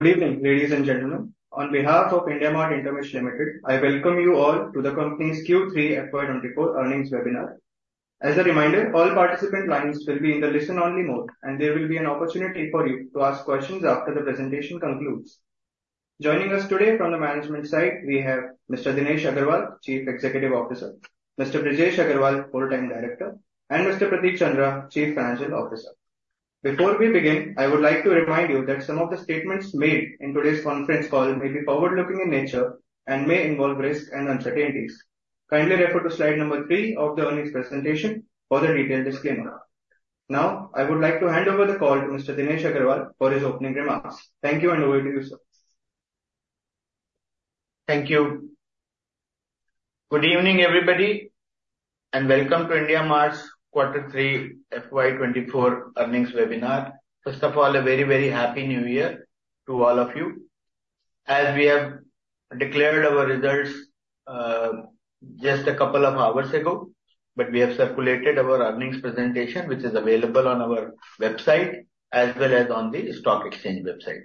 Good evening, ladies and gentlemen. On behalf of IndiaMART InterMESH Limited, I welcome you all to the company's Q3 FY 2024 earnings webinar. As a reminder, all participant lines will be in the listen-only mode, and there will be an opportunity for you to ask questions after the presentation concludes. Joining us today from the management side, we have Mr. Dinesh Agarwal, Chief Executive Officer, Mr. Brijesh Agrawal, Whole-time Director, and Mr. Prateek Chandra, Chief Financial Officer. Before we begin, I would like to remind you that some of the statements made in today's conference call may be forward-looking in nature and may involve risks and uncertainties. Kindly refer to slide number 3 of the earnings presentation for the detailed disclaimer. Now, I would like to hand over the call to Mr. Dinesh Agarwal for his opening remarks. Thank you, and over to you, sir. Thank you. Good evening, everybody, and welcome to IndiaMART's quarter three FY 2024 earnings webinar. First of all, a very, very happy New Year to all of you. As we have declared our results just a couple of hours ago, but we have circulated our earnings presentation, which is available on our website as well as on the stock exchange website.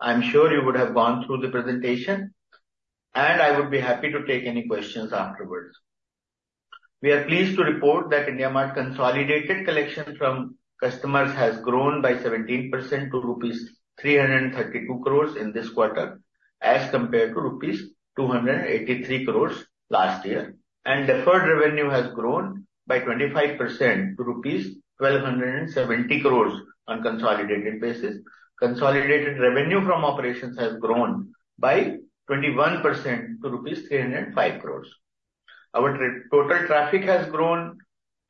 I'm sure you would have gone through the presentation, and I would be happy to take any questions afterwards. We are pleased to report that IndiaMART consolidated collection from customers has grown by 17% to rupees 332 crore in this quarter, as compared to rupees 283 crore last year, and deferred revenue has grown by 25% to rupees 1,270 crore on consolidated basis. Consolidated revenue from operations has grown by 21% to rupees 305 crore. Our total traffic has grown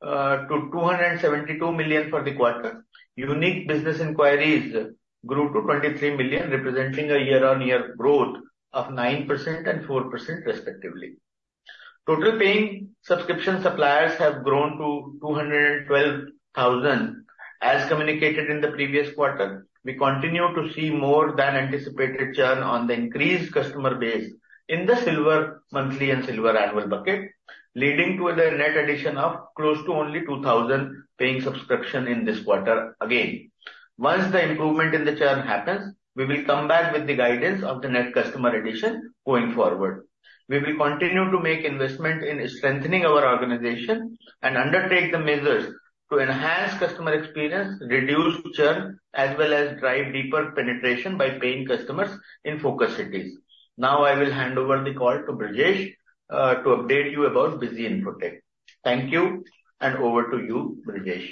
to 272 million for the quarter. Unique Business Enquiry grew to 23 million, representing a year-on-year growth of 9% and 4% respectively. Total paying subscription suppliers have grown to 212,000. As communicated in the previous quarter, we continue to see more than anticipated churn on the increased customer base in the Silver Monthly and Silver Annual bucket, leading to a net addition of close to only 2,000 paying subscription in this quarter again. Once the improvement in the churn happens, we will come back with the guidance of the net customer addition going forward. We will continue to make investment in strengthening our organization and undertake the measures to enhance customer experience, reduce churn, as well as drive deeper penetration by paying customers in focus cities. Now I will hand over the call to Brijesh, to update you about Busy Infotech. Thank you, and over to you, Brijesh.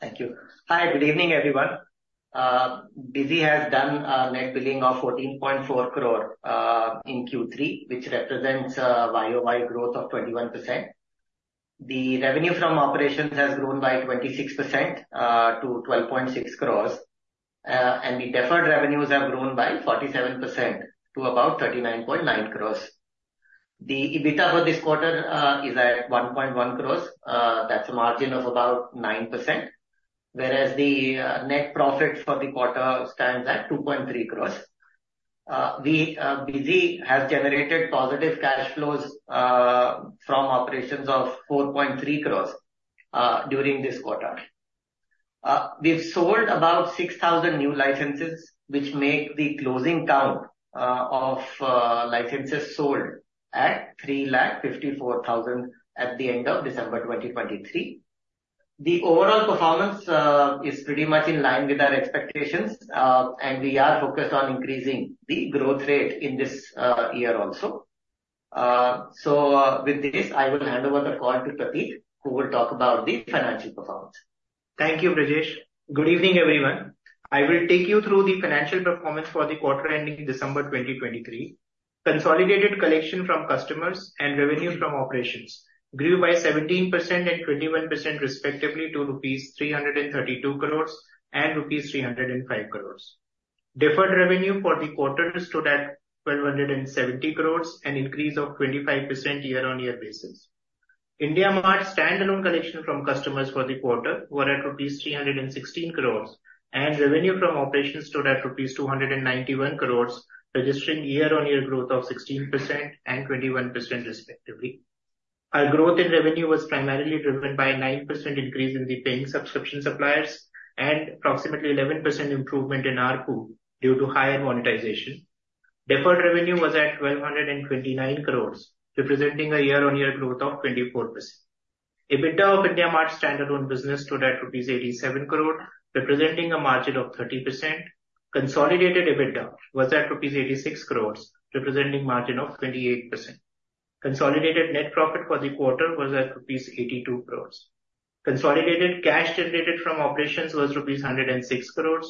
Thank you. Hi, good evening, everyone. BUSY has done a net billing of 14.4 crore in Q3, which represents a YoY growth of 21%. The revenue from operations has grown by 26%, to 12.6 crore, and the deferred revenues have grown by 47% to about 39.9 crore. The EBITDA for this quarter is at 1.1 crore, that's a margin of about 9%, whereas the net profit for the quarter stands at 2.3 crore. We, BUSY has generated positive cash flows from operations of 4.3 crore during this quarter. We've sold about 6,000 new licenses, which make the closing count of licenses sold at 354,000 at the end of December 2023. The overall performance is pretty much in line with our expectations, and we are focused on increasing the growth rate in this year also. So with this, I will hand over the call to Prateek, who will talk about the financial performance. Thank you, Brijesh. Good evening, everyone. I will take you through the financial performance for the quarter ending December 2023. Consolidated collection from customers and revenue from operations grew by 17% and 21%, respectively, to rupees 332 crore and rupees 305 crore. Deferred revenue for the quarter stood at 1,270 crore, an increase of 25% year-on-year basis. IndiaMART standalone collection from customers for the quarter were at rupees 316 crore, and revenue from operations stood at rupees 291 crore, registering year-on-year growth of 16% and 21% respectively. Our growth in revenue was primarily driven by a 9% increase in the paying subscription suppliers and approximately 11% improvement in ARPU due to higher monetization. Deferred revenue was at 1,229 crore, representing a year-on-year growth of 24%. EBITDA of IndiaMART standalone business stood at rupees 87 crore, representing a margin of 30%. Consolidated EBITDA was at rupees 86 crore, representing margin of 28%. Consolidated net profit for the quarter was at rupees 82 crore. Consolidated cash generated from operations was rupees 106 crore.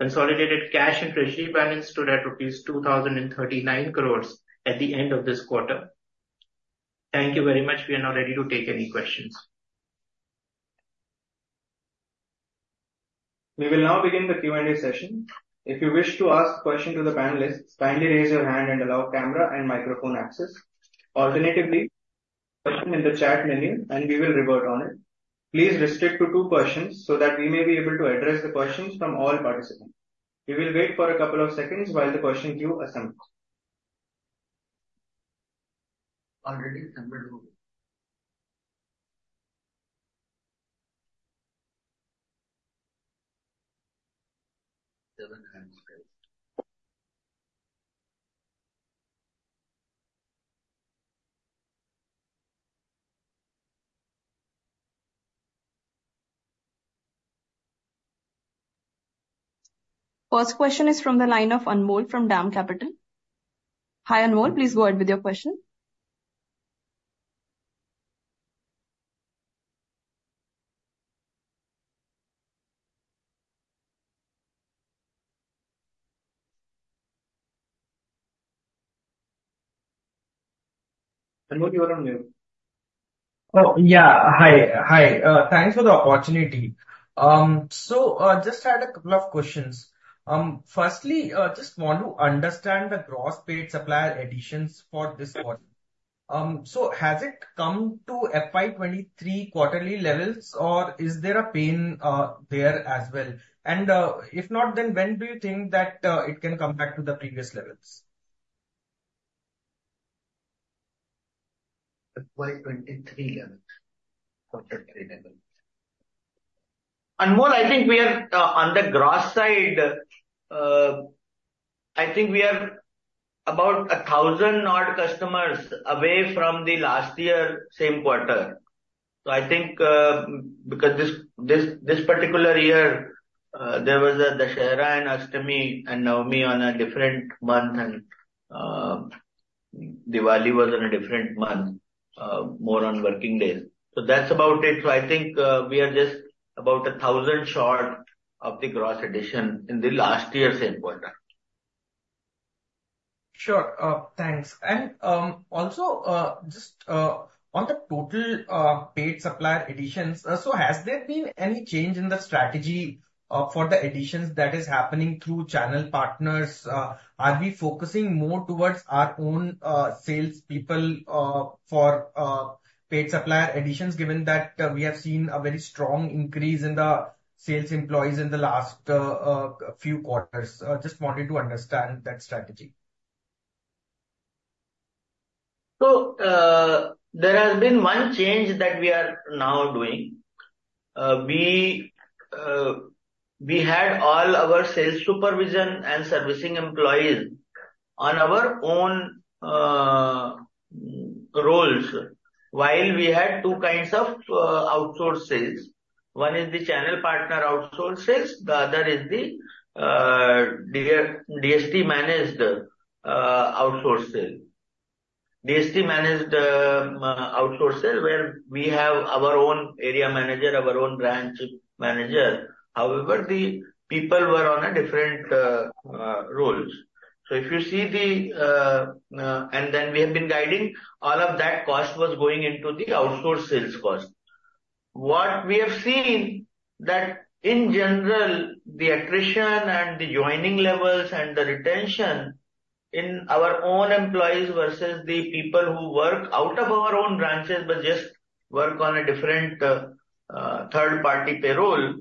Consolidated cash and treasury balance stood at rupees 2,039 crore at the end of this quarter. Thank you very much. We are now ready to take any questions. We will now begin the Q&A session. If you wish to ask question to the panelists, kindly raise your hand and allow camera and microphone access. Alternatively, question in the chat menu, and we will revert on it. Please restrict to two questions so that we may be able to address the questions from all participants. We will wait for a couple of seconds while the question queue assembles. Already assembled. First question is from the line of Anmol from DAM Capital. Hi, Anmol, please go ahead with your question. Anmol, you are on mute. Oh, yeah. Hi, hi. Thanks for the opportunity. So, just had a couple of questions. Firstly, just want to understand the gross paid supplier additions for this quarter. So has it come to FY 2023 quarterly levels, or is there a pain there as well? And, if not, then when do you think that it can come back to the previous levels? FY 2023 levels, quarter three levels. Anmol, I think we are, on the gross side, I think we are about 1,000 odd customers away from the last year, same quarter. So I think, because this, this, this particular year, there was a Dussehra and Ashtami and Navami on a different month, and, Diwali was on a different month, more on working days. So that's about it. So I think, we are just about 1,000 short of the gross addition in the last year, same quarter. Sure. Thanks. And, also, just, on the total, paid supplier additions, so has there been any change in the strategy, for the additions that is happening through channel partners? Are we focusing more towards our own, sales people, for, paid supplier additions, given that, we have seen a very strong increase in the sales employees in the last, few quarters? Just wanted to understand that strategy. So, there has been one change that we are now doing. We had all our sales supervision and servicing employees on our own rolls, while we had two kinds of outsourced sales. One is the channel partner outsourced sales, the other is the direct DST-managed outsourced sale. DST-managed outsourced sale, where we have our own area manager, our own branch manager. However, the people were on a different rollls. So if you see the, and then we have been guiding, all of that cost was going into the outsourced sales cost. What we have seen, that in general, the attrition and the joining levels and the retention in our own employees versus the people who work out of our own branches, but just work on a different, third-party payroll,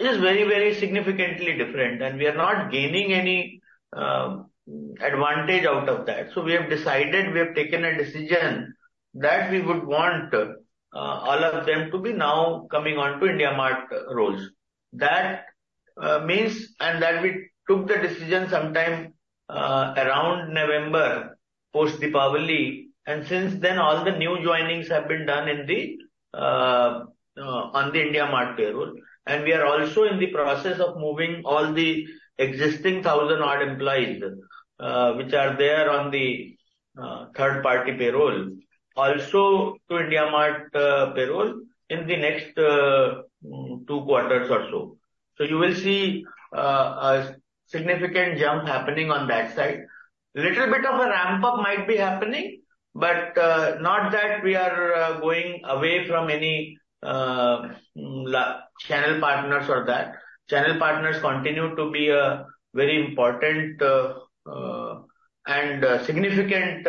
is very, very significantly different, and we are not gaining any, advantage out of that. So we have decided, we have taken a decision that we would want, all of them to be now coming on to IndiaMART rolls. That, means, and that we took the decision sometime, around November, post Deepavali, and since then, all the new joinings have been done in the, on the IndiaMART payroll. We are also in the process of moving all the existing 1,000-odd employees, which are there on the third-party payroll, also to IndiaMART payroll in the next two quarters or so. You will see a significant jump happening on that side. A little bit of a ramp-up might be happening, but not that we are going away from any channel partners or that. Channel partners continue to be a very important and a significant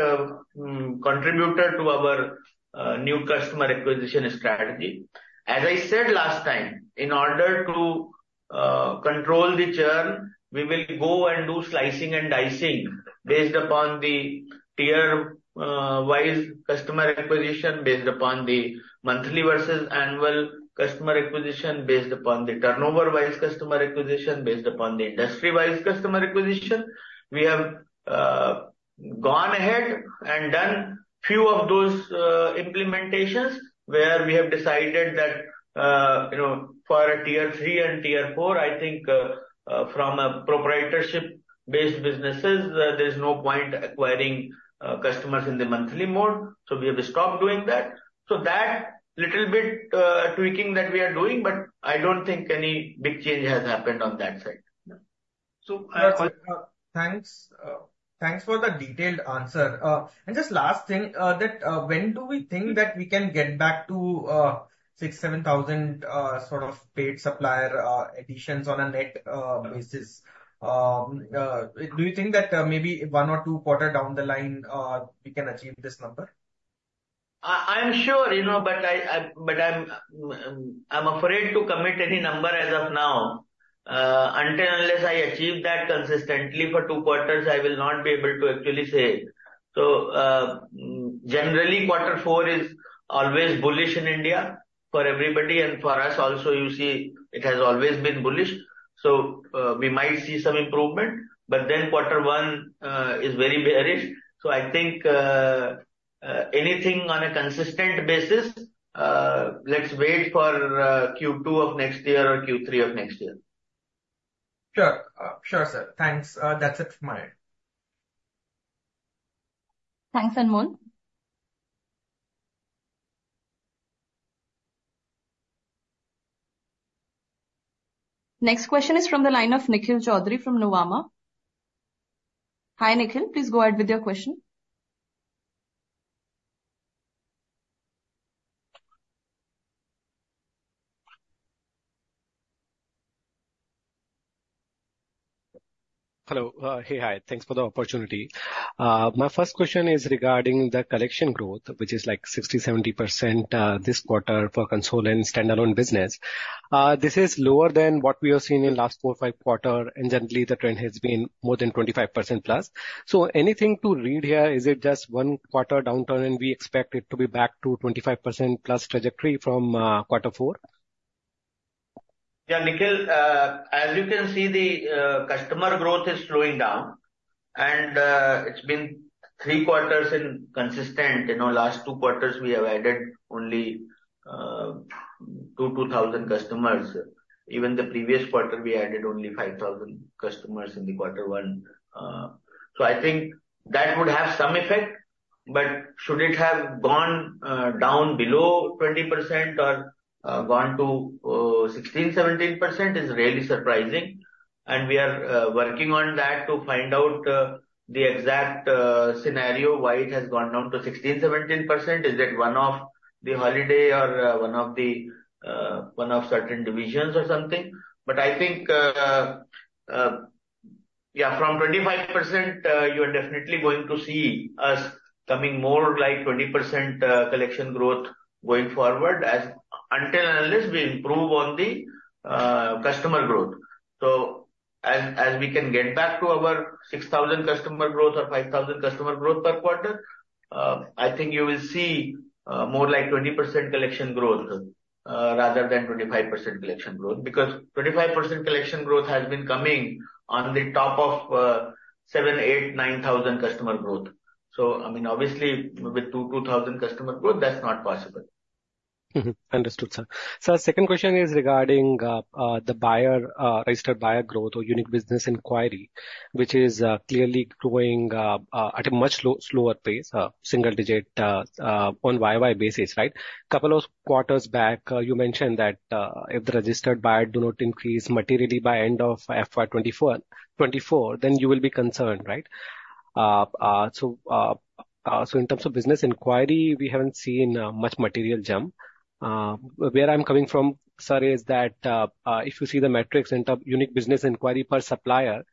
contributor to our new customer acquisition strategy. As I said last time, in order to control the churn, we will go and do slicing and dicing based upon the tier-wise customer acquisition, based upon the monthly versus annual customer acquisition, based upon the turnover-wise customer acquisition, based upon the industry-wise customer acquisition. We have gone ahead and done few of those implementations, where we have decided that, you know, for a Tier 3 and Tier 4, I think, from a proprietorship-based businesses, there's no point acquiring customers in the monthly mode, so we have stopped doing that. So that little bit tweaking that we are doing, but I don't think any big change has happened on that side. So, thanks, thanks for the detailed answer. Just last thing, when do we think that we can get back to 6,000-7,000 sort of paid supplier additions on a net basis? Do you think that maybe one or two quarters down the line we can achieve this number? I'm sure, you know, but I'm afraid to commit any number as of now, until unless I achieve that consistently for two quarters, I will not be able to actually say. So, generally, quarter four is always bullish in India for everybody, and for us also, you see, it has always been bullish. So, we might see some improvement, but then quarter one is very bearish. So I think, anything on a consistent basis, let's wait for Q2 of next year or Q3 of next year. Sure. Sure, sir. Thanks. That's it from my end. Thanks, Anmol. Next question is from the line of Nikhil Choudhary from Nuvama. Hi, Nikhil, please go ahead with your question. Hello. Hey, hi, thanks for the opportunity. My first question is regarding the collection growth, which is, like, 60%-70% this quarter for consolidated and standalone business. This is lower than what we have seen in last four, five quarters, and generally, the trend has been more than 25%+. So anything to read here, is it just one quarter downturn, and we expect it to be back to 25%+ trajectory from quarter four? Yeah, Nikhil, as you can see, the customer growth is slowing down, and it's been three quarters and consistent. In our last two quarters, we have added only 2,000 customers. Even the previous quarter, we added only 5,000 customers in quarter one. So I think that would have some effect, but should it have gone down below 20% or gone to 16%-17% is really surprising. And we are working on that to find out the exact scenario, why it has gone down to 16%-17%. Is that one of the holiday or one of the one of certain divisions or something? But I think, yeah, from 25%, you are definitely going to see us coming more like 20% collection growth going forward, as until unless we improve on the customer growth. So as we can get back to our 6,000 customer growth or 5,000 customer growth per quarter, I think you will see more like 20% collection growth rather than 25% collection growth. Because 25% collection growth has been coming on the top of 7,000, 8,000, 9,000 customer growth. So I mean, obviously, with 2,000 customer growth, that's not possible. Mm-hmm. Understood, sir. Sir, second question is regarding the buyer registered buyer growth or Unique Business Enquiry, which is clearly growing at a much slower pace, single digit on YoY basis, right? Couple of quarters back, you mentioned that if the registered buyer do not increase materially by end of FY 2024, then you will be concerned, right? So in terms of business inquiry, we haven't seen much material jump. Where I'm coming from, sir, is that if you see the metrics in terms Unique Business Enquiry per supplier,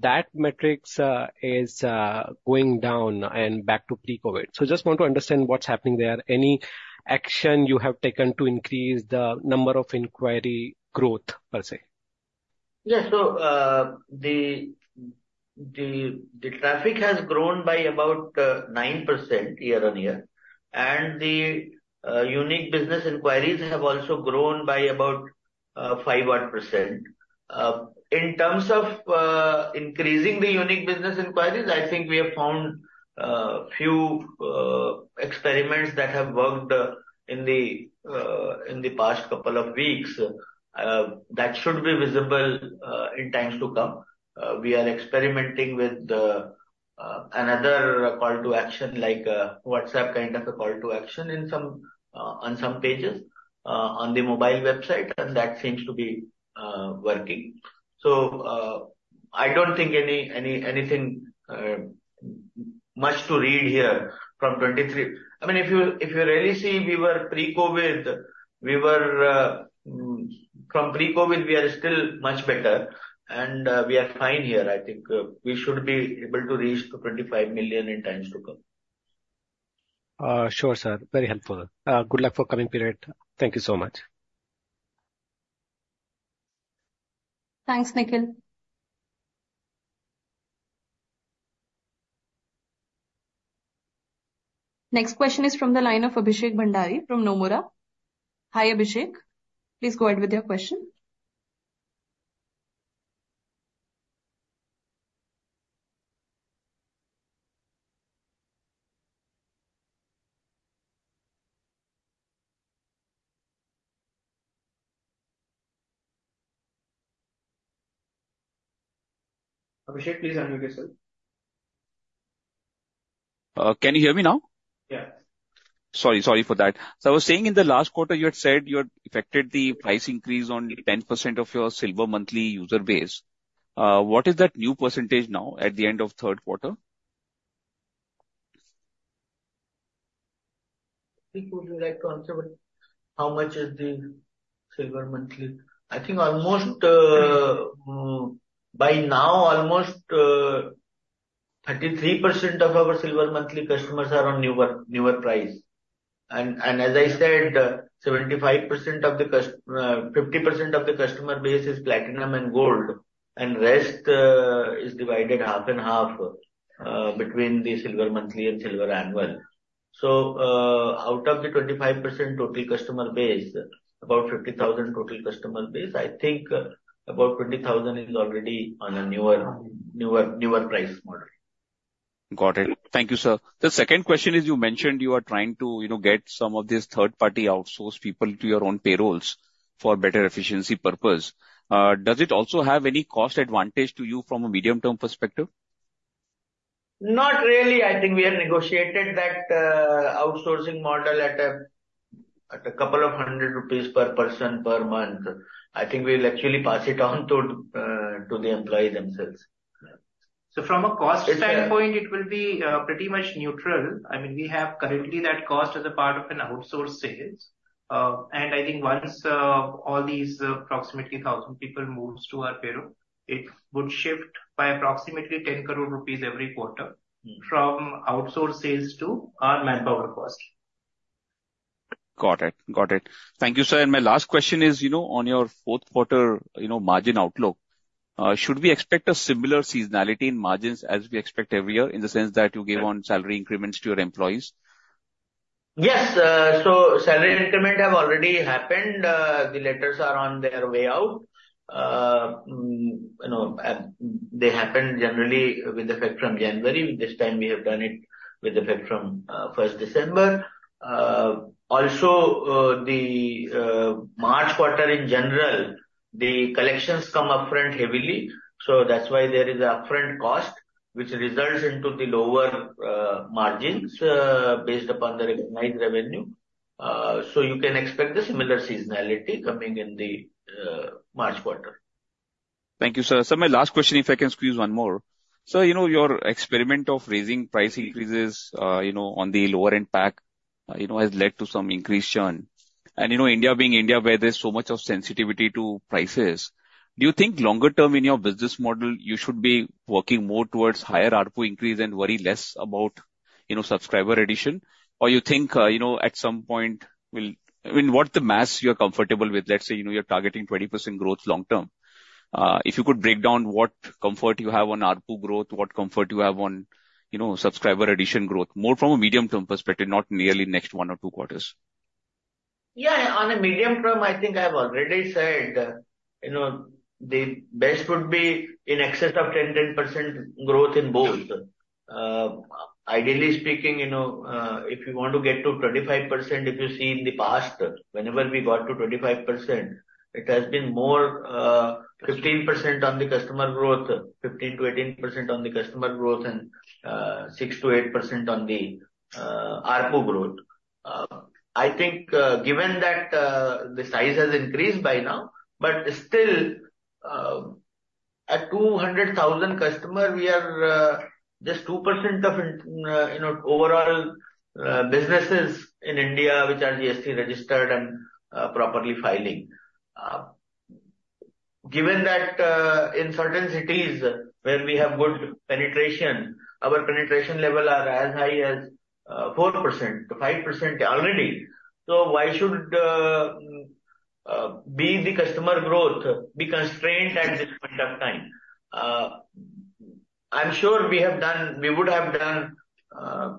that metrics is going down and back to pre-COVID. So just want to understand what's happening there. Any action you have taken to increase the number of inquiry growth, per se? Yeah. So, the traffic has grown by about 9% year-on-year, and the Unique Business Enquiry have also grown by about 5-odd %. In terms of increasing the Unique Business Enquiry, I think we have found a few experiments that have worked in the past couple of weeks. That should be visible in times to come. We are experimenting with another call to action, like WhatsApp, kind of a call to action in some on some pages on the mobile website, and that seems to be working. So, I don't think anything much to read here from 2023. I mean, if you, if you really see, we were pre-COVID, we were, from pre-COVID, we are still much better, and, we are fine here. I think, we should be able to reach to 25 million in times to come. Sure, sir. Very helpful. Good luck for coming period. Thank you so much. Thanks, Nikhil. Next question is from the line of Abhishek Bhandari from Nomura. Hi, Abhishek, please go ahead with your question. Abhishek, please unmute yourself. Can you hear me now? Yeah. Sorry, sorry for that. So I was saying in the last quarter, you had said you had affected the price increase on 10% of your Silver Monthly user base. What is that new percentage now, at the end of third quarter? Prateek, would you like to answer how much is the Silver Monthly? I think almost, by now, almost 33% of our Silver Monthly customers are on newer, newer price. And as I said, 50% of the customer base is Platinum and Gold, and rest is divided 50/50 between the Silver Monthly and Silver Annual. So, out of the 25% total customer base, about 50,000 total customer base, I think about 20,000 is already on a newer, newer, newer price model. Got it. Thank you, sir. The second question is, you mentioned you are trying to, you know, get some of these third-party outsourced people to your own payrolls for better efficiency purpose. Does it also have any cost advantage to you from a medium-term perspective? Not really. I think we have negotiated that outsourcing model at a couple of hundred rupees per person per month. I think we'll actually pass it on to the employee themselves. From a cost standpoint, it will be pretty much neutral. I mean, we have currently that cost as a part of an outsourced sales. And I think once all these approximately 1,000 people moves to our payroll, it would shift by approximately 10 crore rupees every quarter. Mm. From outsourced sales to our manpower cost. Got it. Got it. Thank you, sir. And my last question is, you know, on your fourth quarter, you know, margin outlook, should we expect a similar seasonality in margins as we expect every year, in the sense that you give on salary increments to your employees? Yes. So salary increment have already happened. The letters are on their way out. You know, they happen generally with effect from January. This time we have done it with effect from first December. Also, the March quarter in general, the collections come upfront heavily, so that's why there is upfront cost, which results into the lower margins based upon the recognized revenue. So you can expect the similar seasonality coming in the March quarter. Thank you, sir. Sir, my last question, if I can squeeze one more. Sir, you know, your experiment of raising price increases, you know, on the lower end pack, you know, has led to some increased churn. You know, India being India, where there's so much of sensitivity to prices, do you think longer term in your business model, you should be working more towards higher ARPU increase and worry less about, you know, subscriber addition? Or you think, you know, at some point we'll, I mean, what the maths you're comfortable with, let's say, you know, you're targeting 20% growth long term. If you could break down what comfort you have on ARPU growth, what comfort you have on, you know, subscriber addition growth, more from a medium term perspective, not merely next one or two quarters. Yeah, on a medium term, I think I've already said, you know, the best would be in excess of 10%-10% growth in both. Ideally speaking, you know, if you want to get to 25%, if you see in the past, whenever we got to 25%, it has been more, 15% on the customer growth, 15%-18% on the customer growth, and, 6% to 8% on the, ARPU growth. I think, given that, the size has increased by now, but still, at 200,000 customer, we are, just 2% of, you know, overall, businesses in India, which are GST registered and, properly filing. Given that in certain cities where we have good penetration, our penetration level are as high as 4%-5% already. So why should be the customer growth be constrained at this point of time? I'm sure we have done—we would have done,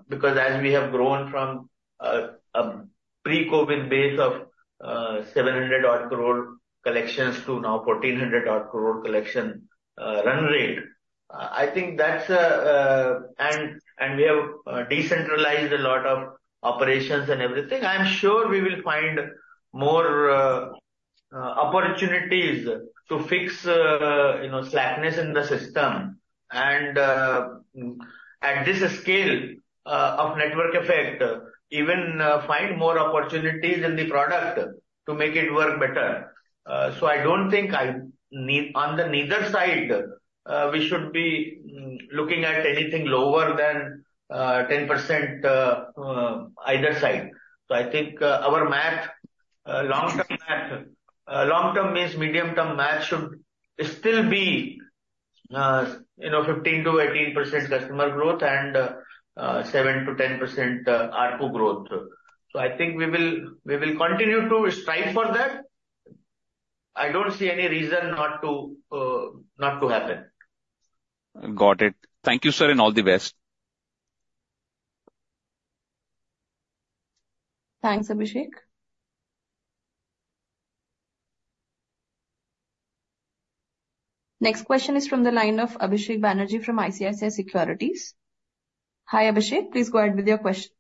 because as we have grown from a pre-COVID base of 700-odd crore collections to now 1,400-odd crore collection run rate, I think that's. And we have decentralized a lot of operations and everything. I'm sure we will find more opportunities to fix, you know, slackness in the system and at this scale of network effect, even find more opportunities in the product to make it work better. So, I don't think I need, on the neither side, we should be looking at anything lower than either side. So I think our math, long-term math, long term means medium-term math, should still be, you know, 15%-18% customer growth and 7%-10% ARPU growth. So I think we will, we will continue to strive for that. I don't see any reason not to not to happen. Got it. Thank you, sir, and all the best. Thanks, Abhisek. Next question is from the line of Abhisek Banerjee from ICICI Securities. Hi, Abhishek, please go ahead with your question.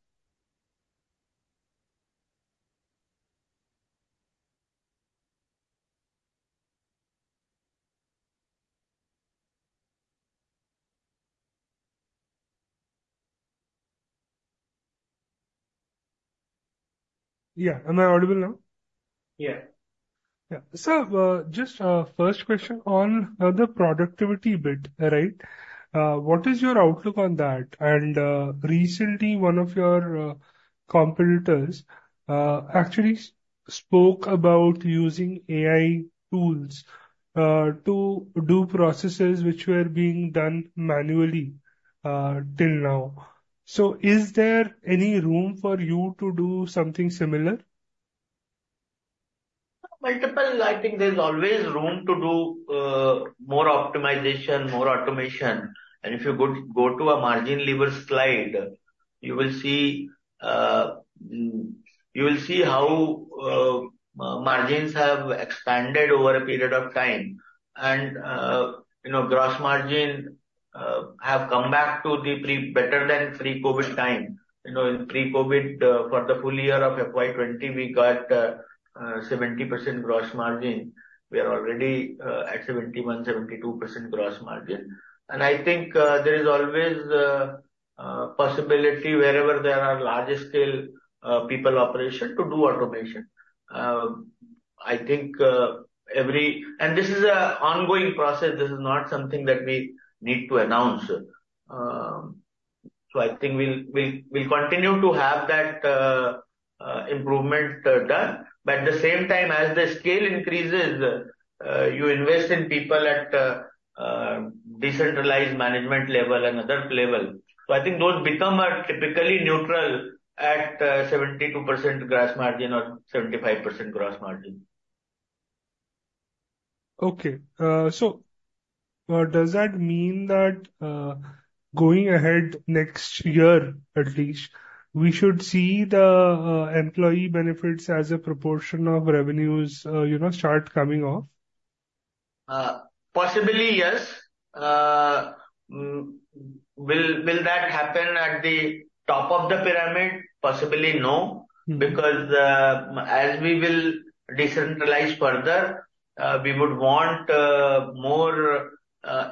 Yeah. Am I audible now? Yeah. Yeah. Sir, just first question on the productivity bit, right? What is your outlook on that? And, recently, one of your competitors actually spoke about using AI tools to do processes which were being done manually till now. So is there any room for you to do something similar? Multiple. I think there's always room to do more optimization, more automation. And if you go to a margin lever slide, you will see how margins have expanded over a period of time. And, you know, gross margin have come back to better than pre-COVID time. You know, in pre-COVID, for the full year of FY 2020, we got 70% gross margin. We are already at 71%-72% gross margin. And I think there is always a possibility wherever there are large-scale people operation to do automation. And this is an ongoing process. This is not something that we need to announce. So I think we'll continue to have that improvement done. But at the same time, as the scale increases, you invest in people at a decentralized management level and other level. So I think those become typically neutral at 72% gross margin or 75% gross margin. Okay. So, does that mean that, going ahead next year, at least, we should see the employee benefits as a proportion of revenues, you know, start coming off? Possibly, yes. Will that happen at the top of the pyramid? Possibly, no. Mm. Because as we will decentralize further, we would want more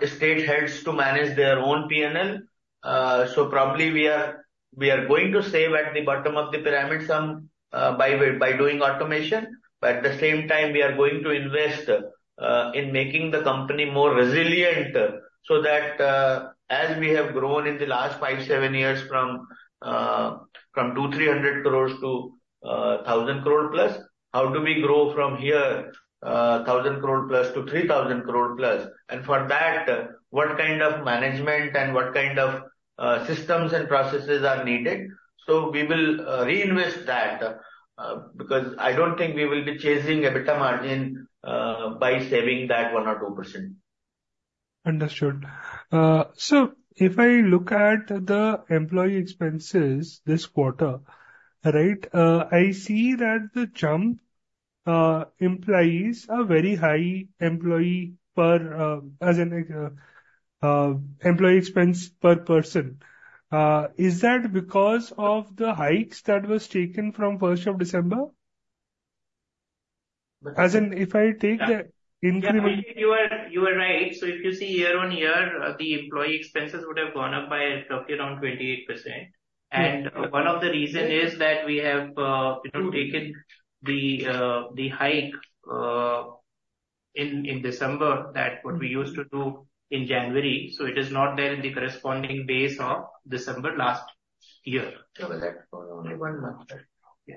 state heads to manage their own P&L. So probably we are going to save at the bottom of the pyramid some by way by doing automation. But at the same time, we are going to invest in making the company more resilient, so that as we have grown in the last five-seven years from 200-300 crore to 1,000 crore plus, how do we grow from here 1,000 crore plus to 3,000 crore plus? And for that, what kind of management and what kind of systems and processes are needed? So we will reinvest that because I don't think we will be chasing EBITDA margin by saving that 1%-2%. Understood. So if I look at the employee expenses this quarter, right, I see that the jump implies a very high employee per, as in, employee expense per person. Is that because of the hikes that was taken from first of December? As in, if I take the increment- You are, you are right. So if you see year-on-year, the employee expenses would have gone up by roughly around 28%. Yeah. One of the reason is that we have, you know, taken the hike in December that what we used to do in January, so it is not there in the corresponding base of December last year. So that for only one month. Yeah.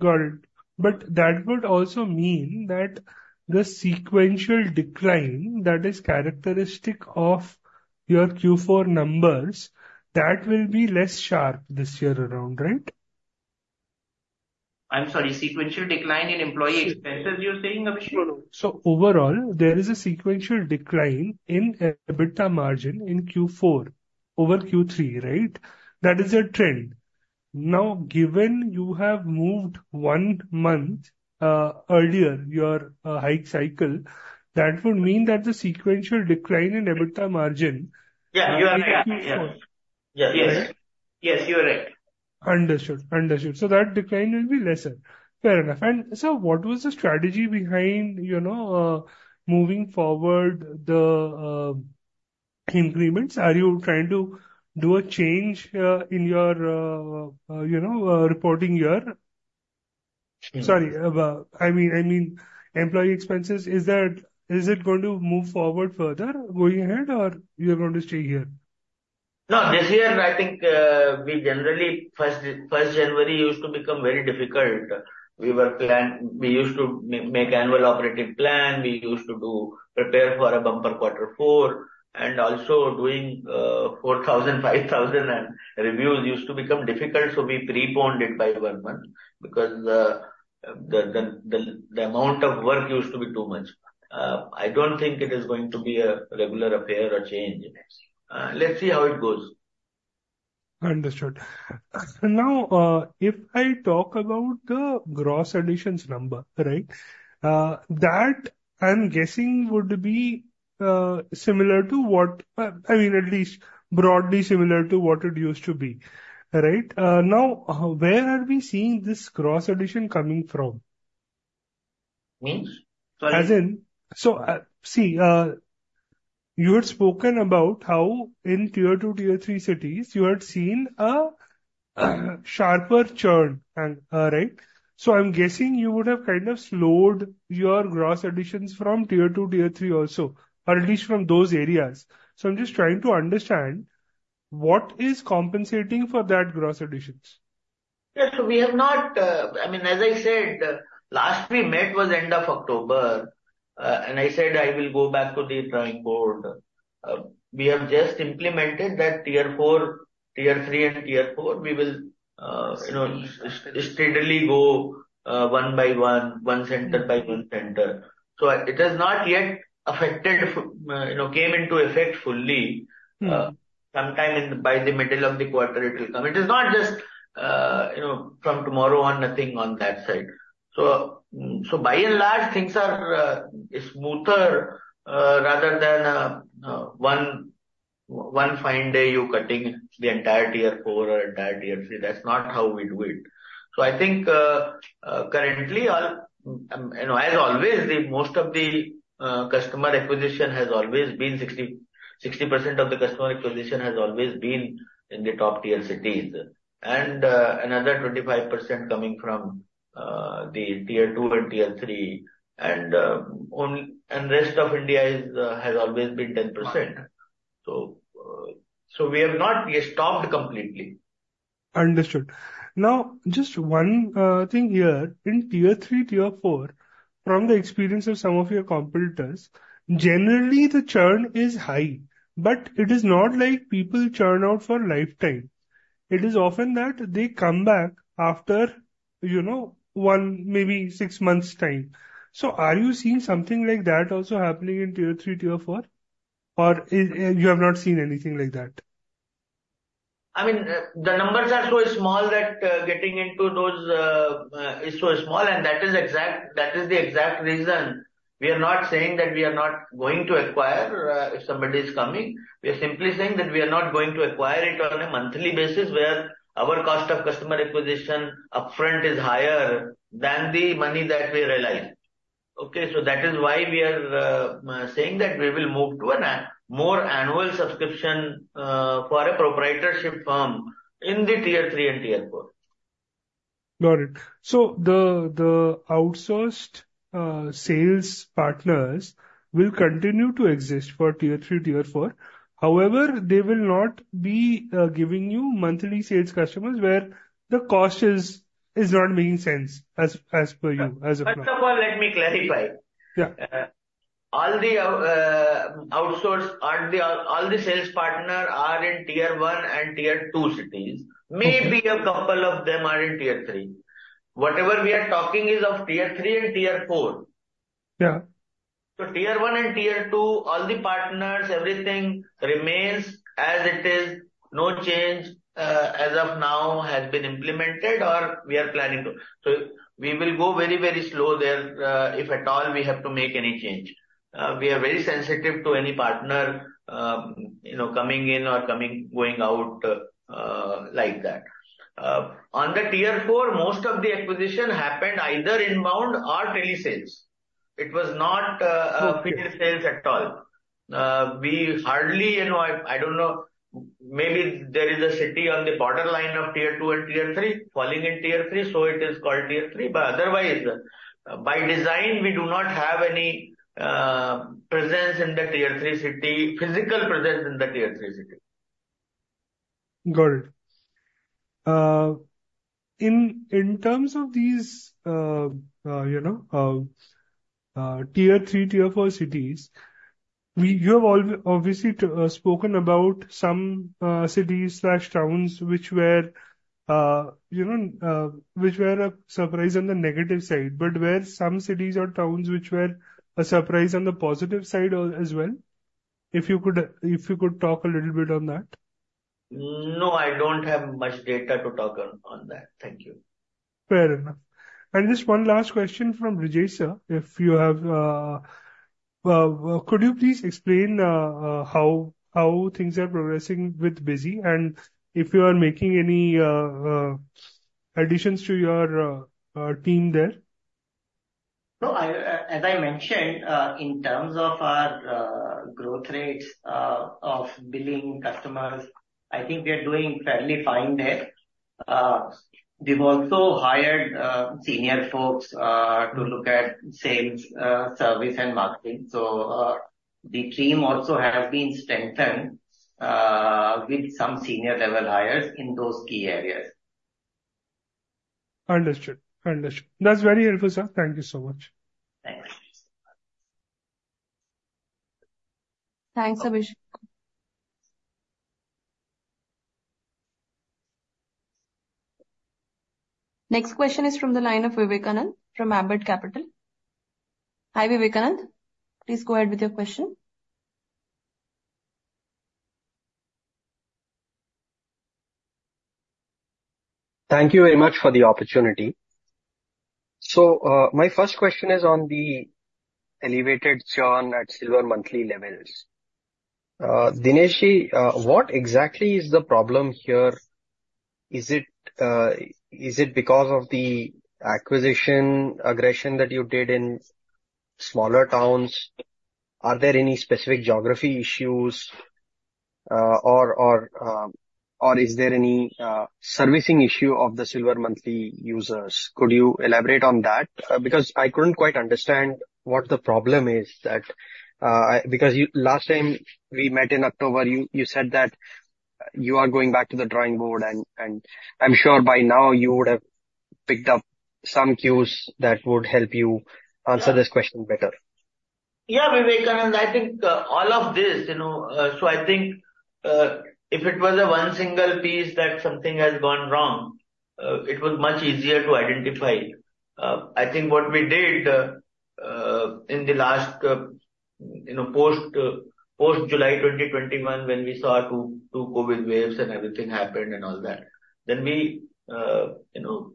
Got it. But that would also mean that the sequential decline that is characteristic of your Q4 numbers, that will be less sharp this year around, right? I'm sorry, sequential decline in employee expenses, you're saying, Abhisek? So overall, there is a sequential decline in EBITDA margin in Q4 over Q3, right? That is a trend. Now, given you have moved one month earlier, your hike cycle, that would mean that the sequential decline in EBITDA margin- Yeah, you are right. Yeah? Yes. Yes, you are right. Understood. Understood. So that decline will be lesser. Fair enough. And so what was the strategy behind, you know, moving forward, the increments? Are you trying to do a change in your, you know, reporting year? Sorry, I mean, I mean, employee expenses, is that—is it going to move forward further going ahead, or you're going to stay here? No, this year, I think, we generally, first January used to become very difficult. We were planning, we used to make annual operating plan, we used to prepare for a bumper quarter four, and also doing 4,000, 5,000, and reviews used to become difficult, so we preponed it by one month because the amount of work used to be too much. I don't think it is going to be a regular affair or change. Let's see how it goes. Understood. Now, if I talk about the gross additions number, right, that I'm guessing would be, similar to what, I mean, at least broadly similar to what it used to be. Right? Now, where are we seeing this gross addition coming from? Hmm? Sorry. As in. So, see, you had spoken about how in Tier 2, Tier 3 cities, you had seen a sharper churn, right? So I'm guessing you would have kind of slowed your gross additions from Tier 2, Tier 3 also, or at least from those areas. So I'm just trying to understand, what is compensating for that gross additions? Yes, so we have not, I mean, as I said, last we met was end of October, and I said I will go back to the drawing board. We have just implemented that Tier 4, Tier 3 and Tier 4, we will, you know, steadily go, one by one, one center by one center. So it has not yet affected, you know, came into effect fully. Mm-hmm. Sometime in by the middle of the quarter it will come. It is not just, you know, from tomorrow on, nothing on that side. So by and large, things are smoother rather than one fine day, you're cutting the entire Tier 4 or entire Tier 3. That's not how we do it. So I think currently all, you know, as always, the most of the customer acquisition has always been 60% of the customer acquisition has always been in the top tier cities, and another 25% coming from the Tier 2 and Tier 3, and rest of India has always been 10%. So we have not yet stopped completely. Understood. Now, just one thing here. In Tier 3, Tier 4, from the experience of some of your competitors, generally the churn is high, but it is not like people churn out for lifetime. It is often that they come back after, you know, one, maybe six months' time. So are you seeing something like that also happening in Tier 3, Tier 4? Or you have not seen anything like that? I mean, the numbers are so small that getting into those is so small, and that is the exact reason. We are not saying that we are not going to acquire if somebody is coming. We are simply saying that we are not going to acquire it on a monthly basis, where our cost of customer acquisition upfront is higher than the money that we realize. Okay? So that is why we are saying that we will move to a more annual subscription for a proprietorship firm in the Tier 3 and Tier 4. Got it. So the outsourced sales partners will continue to exist for Tier 3, Tier 4. However, they will not be giving you monthly sales customers where the cost is not making sense as per you, as of now. First of all, let me clarify. Yeah. All the outsourced sales partner are in Tier 1 and Tier 2 cities. Mm-hmm. Maybe a couple of them are in Tier 3. Whatever we are talking is of Tier 3 and Tier 4. Yeah. So Tier 1 and Tier 2, all the partners, everything remains as it is. No change, as of now, has been implemented or we are planning to. So we will go very, very slow there, if at all, we have to make any change. We are very sensitive to any partner, you know, coming in or going out, like that. On the Tier 4, most of the acquisition happened either inbound or telesales. It was not, Okay. Telesales at all. We hardly, you know, I don't know, maybe there is a city on the borderline of Tier 2 and Tier 3, falling in Tier 3, so it is called Tier 3. But otherwise, by design, we do not have any presence in the Tier 3 city, physical presence in the Tier 3 city. Got it. In terms of these, you know, Tier 3, Tier 4 cities, you have obviously spoken about some cities or towns which were, you know, which were a surprise on the negative side, but were some cities or towns which were a surprise on the positive side as well? If you could talk a little bit on that. No, I don't have much data to talk on, on that. Thank you. Fair enough. And just one last question from Brijesh, sir. If you have, could you please explain how things are progressing with Busy, and if you are making any additions to your team there? No, I, as I mentioned, in terms of our, growth rates, of billing customers, I think we are doing fairly fine there. We've also hired, senior folks, to look at sales, service and marketing. So, the team also has been strengthened, with some senior level hires in those key areas. Understood. Understood. That's very helpful, sir. Thank you so much. Thanks. Thanks, Abhisek. Next question is from the line of Vivekanand from Ambit Capital. Hi, Vivekanand. Please go ahead with your question. Thank you very much for the opportunity. So, my first question is on the elevated churn at Silver Monthly levels. Dinesh, what exactly is the problem here? Is it, is it because of the acquisition, aggression that you did in smaller towns? Are there any specific geography issues, or, or... Or is there any servicing issue of the Silver Monthly users? Could you elaborate on that? Because I couldn't quite understand what the problem is, because you last time we met in October, you said that you are going back to the drawing board, and I'm sure by now you would have picked up some cues that would help you answer this question better. Yeah, Vivekanand, I think all of this, you know, so I think if it was one single piece that something has gone wrong, it was much easier to identify. I think what we did in the last, you know, post July 2021, when we saw two COVID waves and everything happened and all that, then we, you know,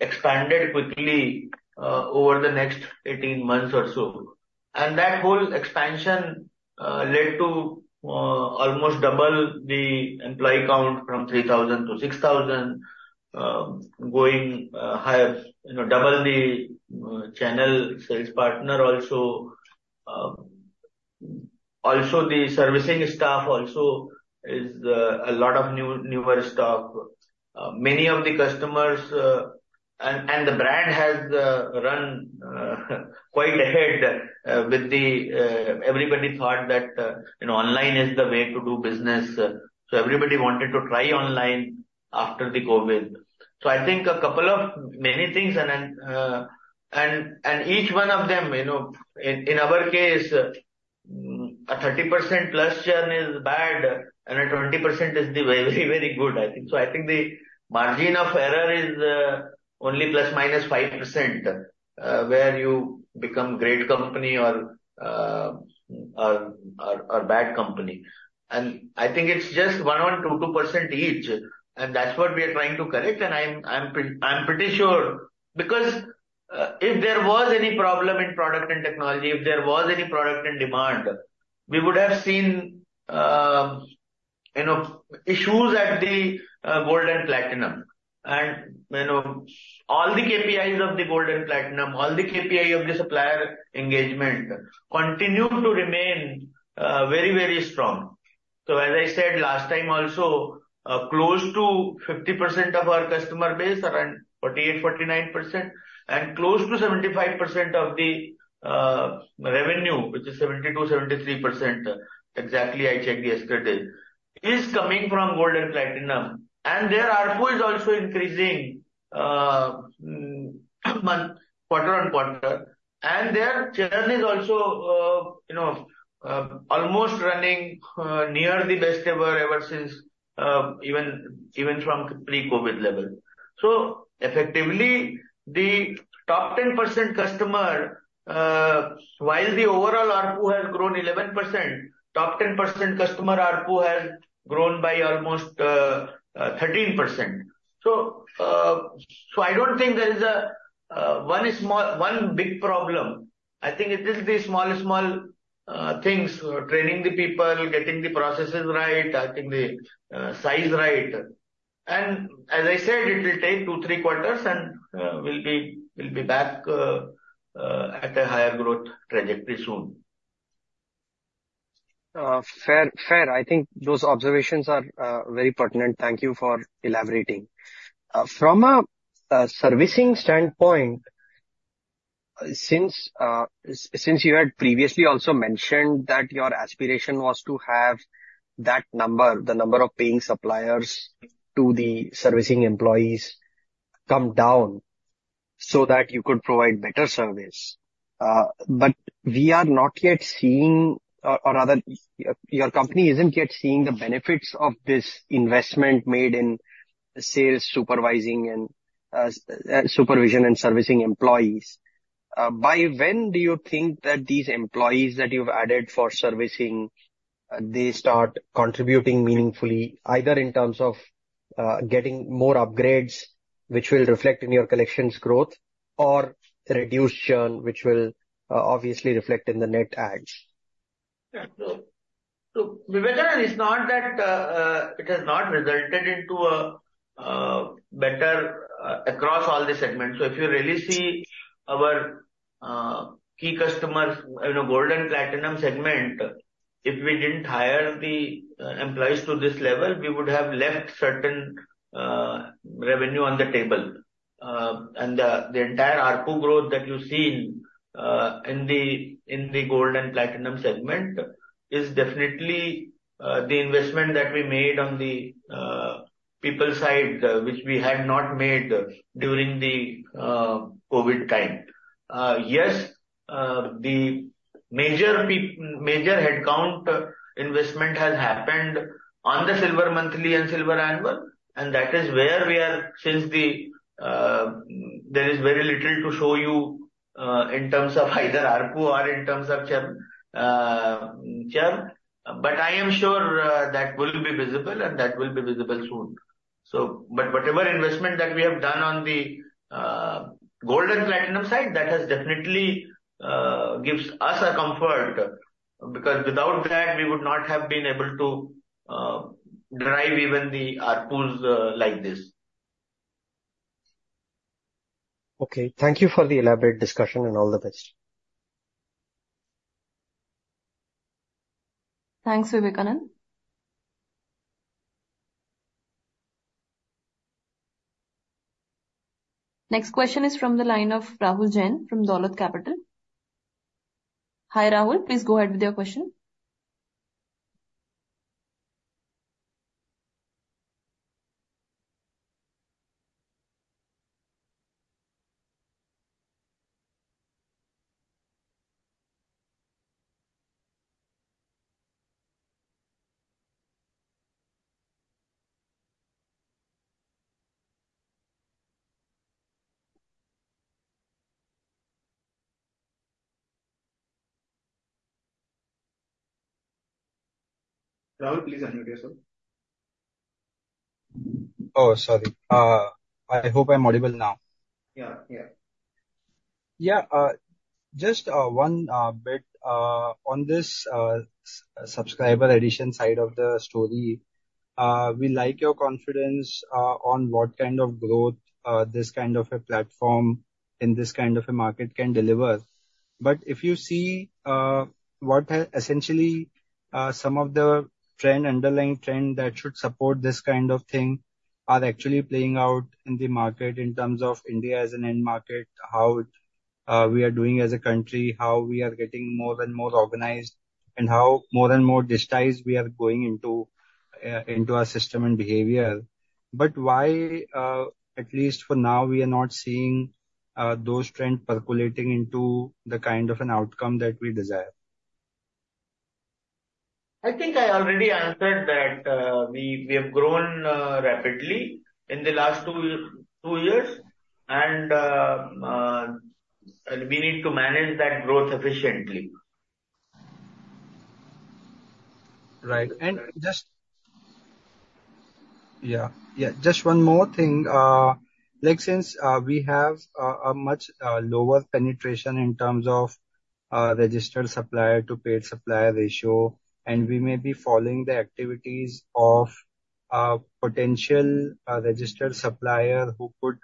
expanded quickly over the next 18 months or so. And that whole expansion led to almost double the employee count from 3,000 to 6,000, going higher, you know, double the channel sales partner also. Also the servicing staff also is a lot of new, newer staff. Many of the customers and the brand has run quite ahead. Everybody thought that, you know, online is the way to do business, so everybody wanted to try online after the COVID. So I think a couple of many things and then, and each one of them, you know, in our case, a 30%+ churn is bad, and a 20% is the very, very good, I think. So I think the margin of error is, only ±5%, where you become great company or, or, or bad company. And I think it's just 1% or 2% each, and that's what we are trying to correct. And I'm pretty sure, because, if there was any problem in product and technology, if there was any product in demand, we would have seen, you know, issues at the, Gold and Platinum. You know, all the KPIs of the Gold and Platinum, all the KPI of the supplier engagement, continue to remain very, very strong. So as I said, last time also, close to 50% of our customer base, around 48%, 49%, and close to 75% of the revenue, which is 72%, 73%, exactly I checked yesterday, is coming from Gold and Platinum. And their ARPU is also increasing quarter-on-quarter. And their churn is also, you know, almost running near the best ever, ever since, even, even from pre-COVID level. So effectively, the top 10% customer, while the overall ARPU has grown 11%, top 10% customer ARPU has grown by almost 13%. So, so I don't think there is a one small, one big problem. I think it is the small, small, things: training the people, getting the processes right, getting the size right. And as I said, it will take two, three quarters, and we'll be, we'll be back at a higher growth trajectory soon. Fair, fair. I think those observations are very pertinent. Thank you for elaborating. From a servicing standpoint, since you had previously also mentioned that your aspiration was to have that number, the number of paying suppliers to the servicing employees, come down so that you could provide better service. But we are not yet seeing, or rather, your company isn't yet seeing the benefits of this investment made in sales, supervising and supervision and servicing employees. By when do you think that these employees that you've added for servicing, they start contributing meaningfully, either in terms of getting more upgrades, which will reflect in your collections growth, or reduced churn, which will obviously reflect in the net adds? Yeah. So, Vivekanand, it's not that it has not resulted into a better across all the segments. So if you really see our key customers in the Gold and Platinum segment, if we didn't hire the employees to this level, we would have left certain revenue on the table. And the entire ARPU growth that you've seen in the Gold and Platinum segment is definitely the investment that we made on the people side, which we had not made during the COVID time. Yes, the major headcount investment has happened on the Silver Monthly and Silver Annual, and that is where we are since the there is very little to show you in terms of either ARPU or in terms of churn, churn. But I am sure that will be visible, and that will be visible soon. But whatever investment that we have done on the Gold and Platinum side, that has definitely gives us a comfort, because without that, we would not have been able to drive even the ARPUs like this. Okay, thank you for the elaborate discussion, and all the best. Thanks, Vivekanand. Next question is from the line of Rahul Jain from Dolat Capital. Hi, Rahul, please go ahead with your question. Rahul, please unmute yourself. Oh, sorry. I hope I'm audible now. Yeah. Yeah. Yeah, just one bit on this subscriber addition side of the story. We like your confidence on what kind of growth this kind of a platform in this kind of a market can deliver. But if you see what has essentially some of the trend, underlying trend that should support this kind of thing are actually playing out in the market in terms of India as an end market, how it we are doing as a country, how we are getting more and more organized, and how more and more digitized we are going into into our system and behavior. But why, at least for now, we are not seeing those trends percolating into the kind of an outcome that we desire? I think I already answered that, we have grown rapidly in the last two years, and we need to manage that growth efficiently. Right. And just. Yeah. Yeah, just one more thing. Like, since we have a much lower penetration in terms of registered supplier to paid supplier ratio, and we may be following the activities of potential registered supplier who could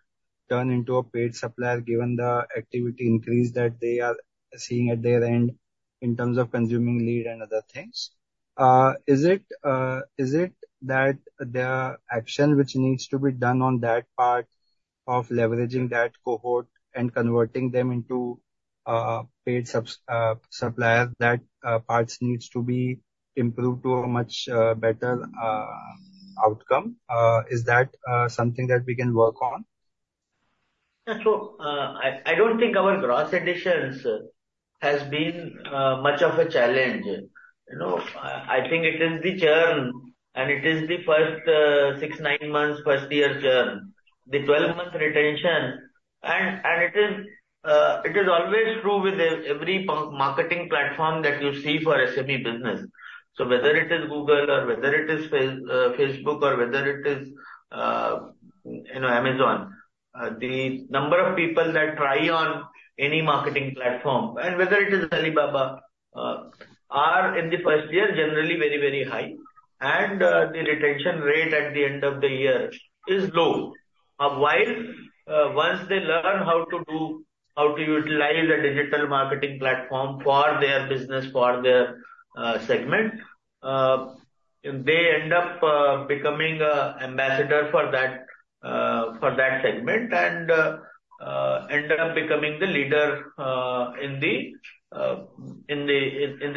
turn into a paid supplier, given the activity increase that they are seeing at their end in terms of consuming lead and other things. Is it, is it that there are action which needs to be done on that part of leveraging that cohort and converting them into paid subs suppliers that parts needs to be improved to a much better outcome? Is that something that we can work on? Yeah. So, I don't think our gross additions has been much of a challenge. You know, I think it is the churn, and it is the first six, nine months, first-year churn. The 12-month retention, and it is always true with every marketing platform that you see for SME business. So whether it is Google or whether it is Facebook or whether it is, you know, Amazon, the number of people that try on any marketing platform, and whether it is Alibaba, are in the first year, generally very, very high. And the retention rate at the end of the year is low. While once they learn how to do, how to utilize the digital marketing platform for their business, for their segment, they end up becoming a ambassador for that segment and end up becoming the leader in the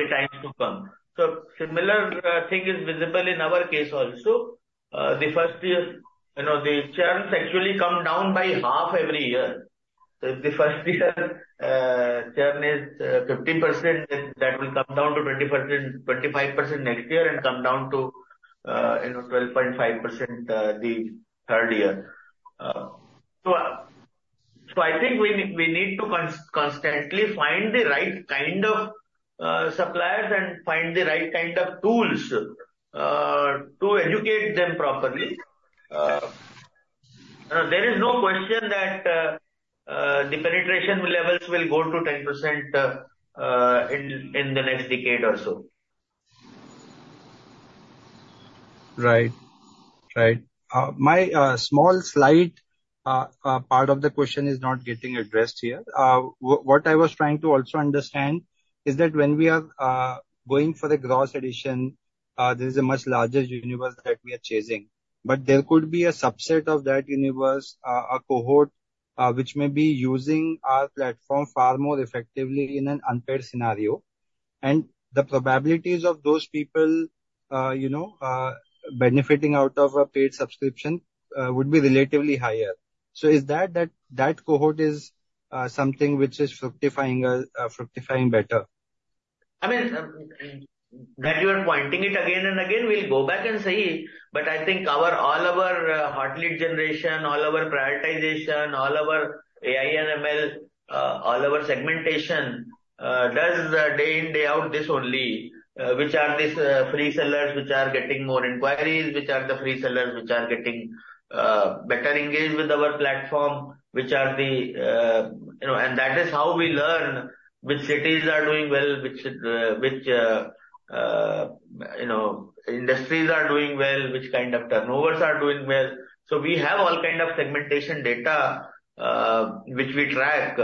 times to come. So similar thing is visible in our case also. The first year, you know, the churns actually come down by half every year. So if the first year churn is 50%, then that will come down to 20%, 25% next year and come down to, you know, 12.5% the third year. So I think we need to constantly find the right kind of suppliers and find the right kind of tools to educate them properly. There is no question that the penetration levels will go to 10% in the next decade or so. Right. Right. My small slight part of the question is not getting addressed here. What I was trying to also understand is that when we are going for the gross addition, there is a much larger universe that we are chasing. But there could be a subset of that universe, a cohort, which may be using our platform far more effectively in an unpaid scenario. And the probabilities of those people, you know, benefiting out of a paid subscription, would be relatively higher. So is that cohort something which is fructifying better? I mean, that you are pointing it again and again, we'll go back and see. But I think our, all our, hot lead generation, all our prioritization, all our AI and ML, all our segmentation, does day in, day out, this only. Which are these, free sellers, which are getting more inquiries, which are the free sellers which are getting, better engaged with our platform, which are the, You know, and that is how we learn which cities are doing well, which, which, you know, industries are doing well, which kind of turnovers are doing well. So we have all kind of segmentation data, which we track,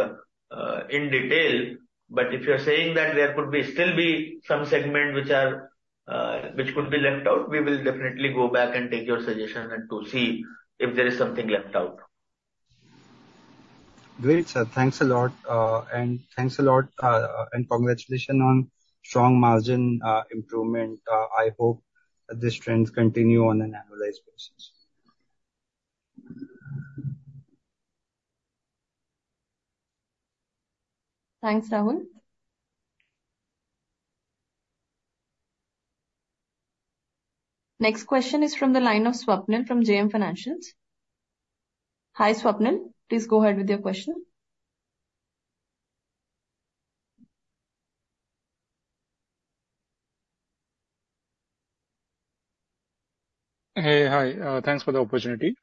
in detail. But if you're saying that there could be still be some segments which are, which could be left out, we will definitely go back and take your suggestion and to see if there is something left out. Great, sir. Thanks a lot, and thanks a lot, and congratulations on strong margin improvement. I hope this trend continue on an annualized basis. Thanks, Rahul. Next question is from the line of Swapnil from JM Financial. Hi, Swapnil. Please go ahead with your question. Hey, hi. Thanks for the opportunity.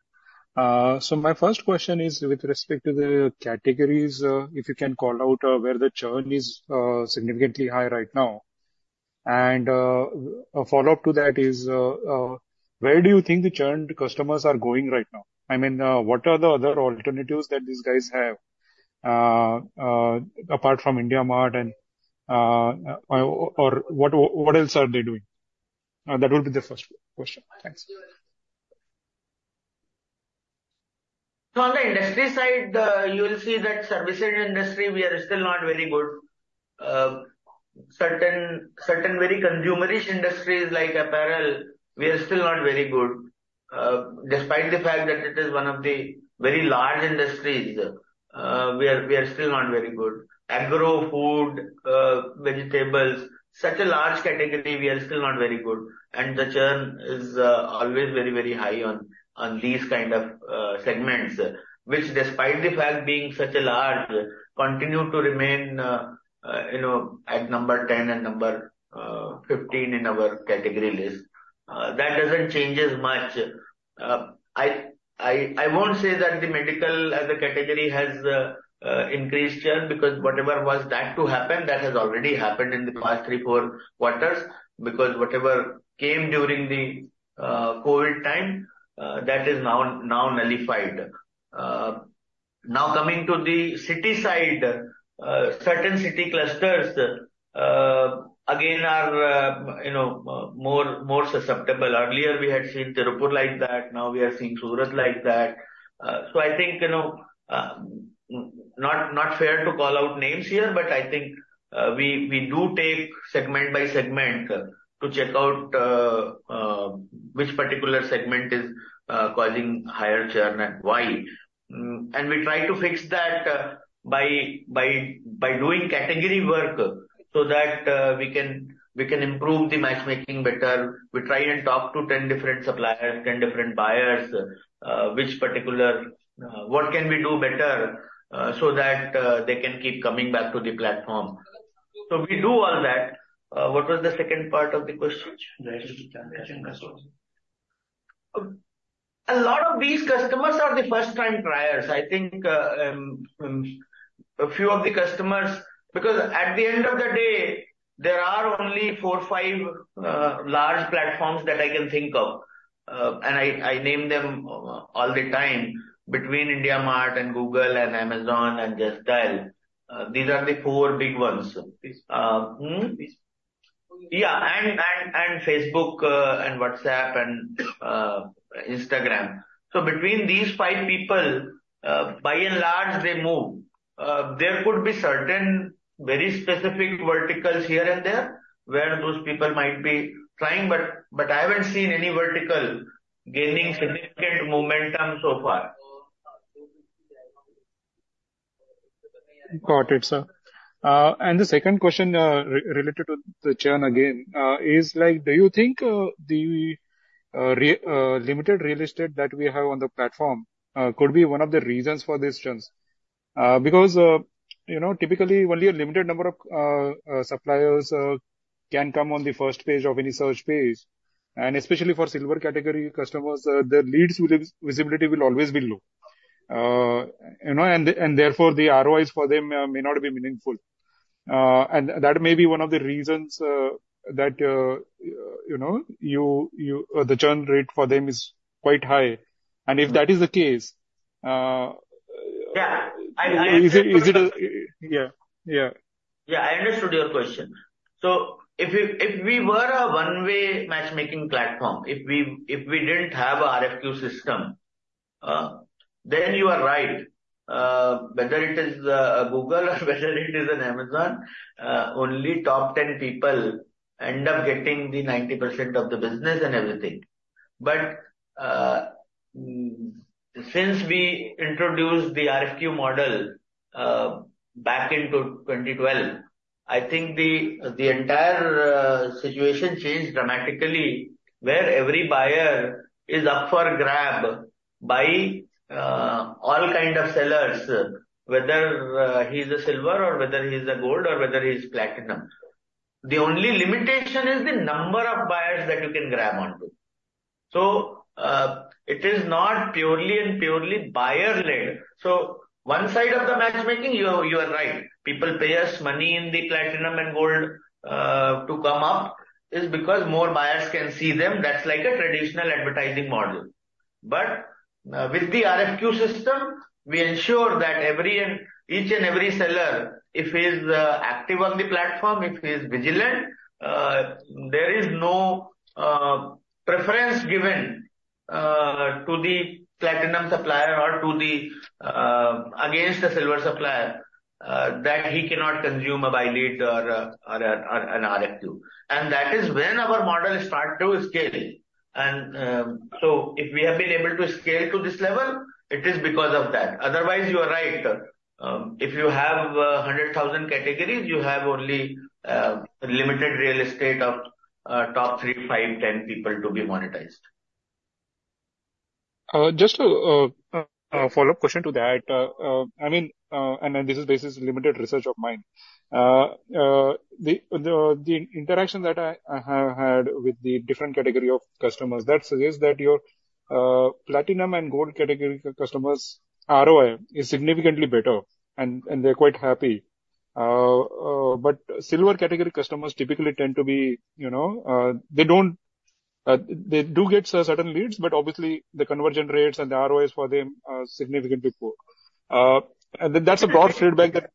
So my first question is with respect to the categories, if you can call out where the churn is significantly high right now. And a follow-up to that is where do you think the churn customers are going right now? I mean, what are the other alternatives that these guys have apart from IndiaMART and or what else are they doing? That will be the first question. Thanks. So on the industry side, you will see that service industry, we are still not very good. Certain, certain very consumerist industries like apparel, we are still not very good. Despite the fact that it is one of the very large industries, we are, we are still not very good. Agro food, vegetables, such a large category, we are still not very good. And the churn is always very, very high on, on these kind of segments, which, despite the fact being such a large, continue to remain, you know, at number 10 and number 15 in our category list. That doesn't change as much. I won't say that the medical as a category has increased churn, because whatever was that to happen, that has already happened in the past three, four quarters, because whatever came during the COVID time, that is now nullified. Now, coming to the city side, certain city clusters, again, are, you know, more susceptible. Earlier we had seen Tirupur like that, now we are seeing Surat like that. So I think, you know, not fair to call out names here, but I think, we do take segment by segment, to check out which particular segment is causing higher churn and why. And we try to fix that, by doing category work so that, we can improve the matchmaking better. We try and talk to 10 different suppliers, 10 different buyers, which particular, what can we do better, so that they can keep coming back to the platform. So we do all that. What was the second part of the question? [inaudible] A lot of these customers are the first time buyers. I think, a few of the customers, because at the end of the day, there are only four-five large platforms that I can think of, and I, I name them all the time between IndiaMART and Google and Amazon and Justdial. These are the four big ones. Uh, hmm? Yeah, and, and, and Facebook, and WhatsApp and, Instagram. So between these five people, by and large, they move. There could be certain very specific verticals here and there where those people might be trying, but, but I haven't seen any vertical gaining significant momentum so far. Got it, sir. And the second question, related to the churn again, is like: do you think the limited real estate that we have on the platform could be one of the reasons for this churn? Because, you know, typically only a limited number of suppliers can come on the first page of any search page, and especially for Silver category customers, the leads with visibility will always be low. You know, and therefore, the ROIs for them may not be meaningful. And that may be one of the reasons that you know, the churn rate for them is quite high. And if that is the case, Yeah, I understood- Is it... Yeah. Yeah. Yeah, I understood your question. So if we were a one-way matchmaking platform, if we didn't have an RFQ system, then you are right. Whether it is Google or whether it is Amazon, only top 10 people end up getting the 90% of the business and everything. But since we introduced the RFQ model back in 2012, I think the entire situation changed dramatically, where every buyer is up for grab by all kind of sellers, whether he's a Silver or whether he's a Gold or whether he's Platinum. The only limitation is the number of buyers that you can grab onto. So, It is not purely buyer-led. So one side of the matchmaking, you are right. People pay us money in the Platinum and Gold to come up is because more buyers can see them. That's like a traditional advertising model. But with the RFQ system, we ensure that each and every seller, if he's active on the platform, if he's vigilant, there is no preference given to the Platinum supplier or to the against the Silver supplier that he cannot consume a Buy Lead or an RFQ. And that is when our model start to scale. And so if we have been able to scale to this level, it is because of that. Otherwise, you are right. If you have 100,000 categories, you have only limited real estate of top three, five, 10 people to be monetized. Just a follow-up question to that. I mean, and then this is based on limited research of mine. The interaction that I have had with the different category of customers suggests that your Platinum and Gold category customers' ROI is significantly better, and they're quite happy. But Silver category customers typically tend to be, you know, they do get certain leads, but obviously the conversion rates and the ROIs for them are significantly poor. And that's a broad feedback that,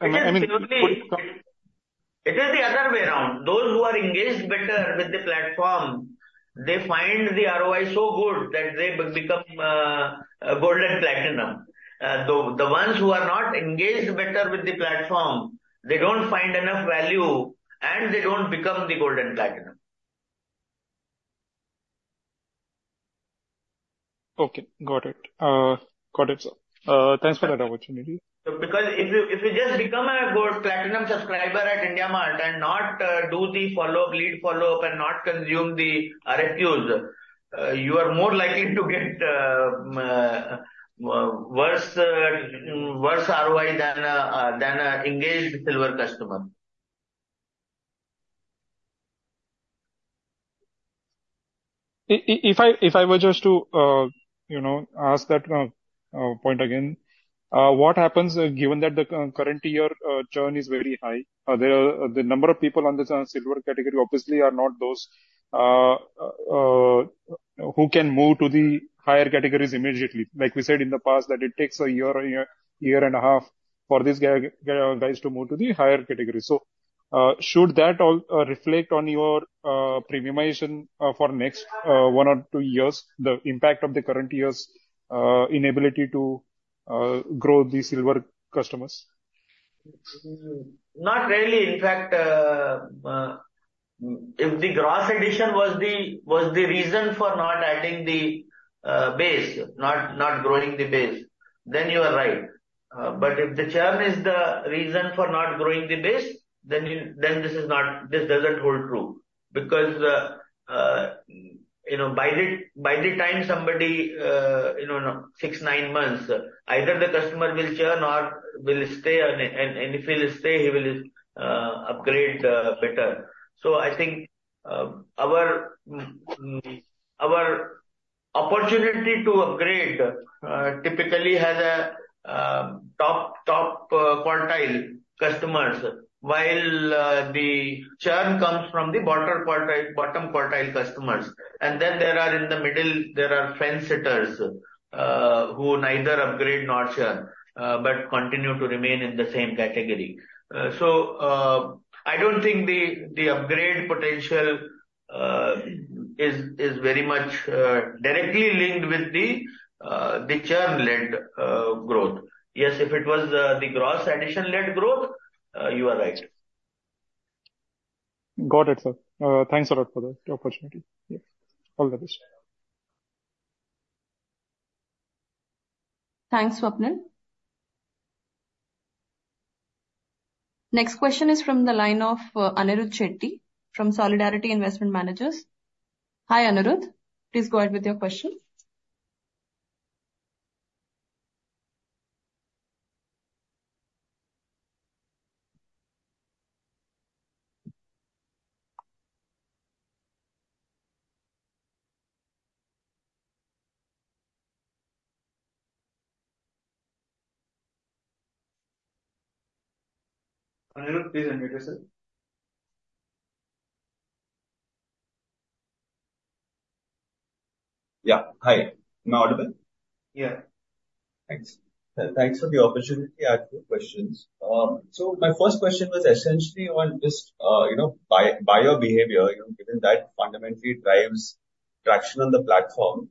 I mean- It is the other way around. Those who are engaged better with the platform, they find the ROI so good that they become Gold and Platinum. The ones who are not engaged better with the platform, they don't find enough value, and they don't become the Gold and Platinum. Okay, got it. Got it, sir. Thanks for that opportunity. Because if you just become a Gold Platinum subscriber at IndiaMART and not do the follow-up, lead follow-up, and not consume the RFQs, you are more likely to get worse ROI than a engaged Silver customer. If I were just to, you know, ask that point again, what happens, given that the current year churn is very high? The number of people on the Silver category obviously are not those who can move to the higher categories immediately. Like we said in the past, that it takes a year or a year and a half for these guys to move to the higher category. So, should that all reflect on your premiumization for next one or two years, the impact of the current year's inability to grow the Silver customers? Not really. In fact, if the gross addition was the reason for not adding the base, not growing the base, then you are right. But if the churn is the reason for not growing the base, then this is not. This doesn't hold true. Because, you know, by the time somebody, you know, six-nine months, either the customer will churn or will stay on, and if he'll stay, he will upgrade better. So I think, our opportunity to upgrade typically has a top quartile customers, while the churn comes from the bottom quartile customers. And then there are in the middle fence sitters who neither upgrade nor churn, but continue to remain in the same category. So, I don't think the upgrade potential is very much directly linked with the churn-led growth. Yes, if it was the gross addition-led growth, you are right. Got it, sir. Thanks a lot for the opportunity. Yes, all the best. Thanks, Swapnil. Next question is from the line of Anirudh Shetty from Solidarity Investment Managers. Hi, Anirudh. Please go ahead with your question. Anirudh, please unmute yourself. Yeah. Hi, am I audible? Yeah. Thanks. Thanks for the opportunity. I have two questions. So my first question was essentially on just, you know, buyer behavior, you know, given that fundamentally drives traction on the platform.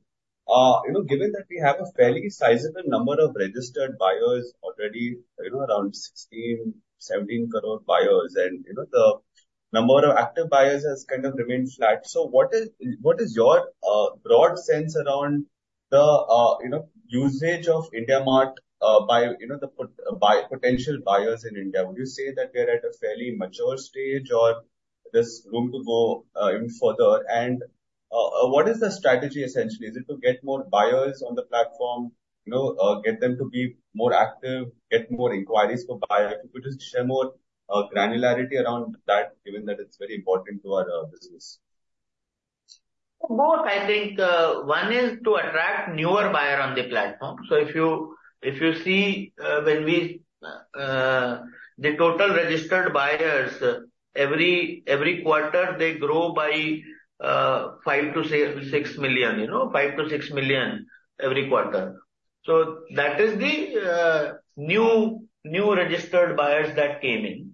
You know, given that we have a fairly sizable number of registered buyers already, you know, around 16-17 crore buyers, and, you know, the number of active buyers has kind of remained flat. So what is your broad sense around the, you know, usage of IndiaMART by, you know, the buyer potential buyers in India? Would you say that we are at a fairly mature stage or there's room to go even further? And what is the strategy, essentially? Is it to get more buyers on the platform, you know, get them to be more active, get more inquiries for buyers? Could you just share more granularity around that, given that it's very important to our business? Both, I think, one is to attract newer buyer on the platform. So if you, if you see, when we, the total registered buyers, every, every quarter, they grow by, 5 million-6 million, you know, 5 million-6 million every quarter. So that is the, new, new registered buyers that came in.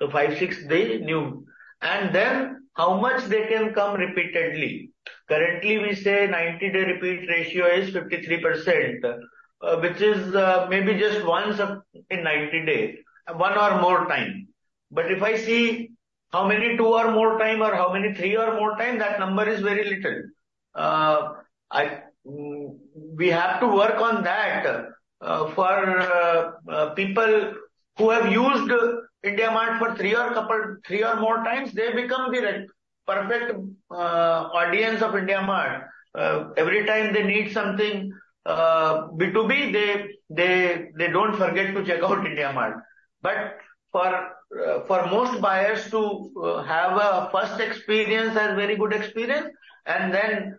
So 5 million, 6 million, the new. And then how much they can come repeatedly. Currently, we say 90-day repeat ratio is 53%, which is, maybe just once a in 90 day, one or more time. But if I see how many two or more time, or how many three or more time, that number is very little. We have to work on that, for, people who have used IndiaMART for three or couple. Three or more times, they become the perfect audience of IndiaMART. Every time they need something, B2B, they don't forget to check out IndiaMART. But for most buyers to have a first experience as very good experience, and then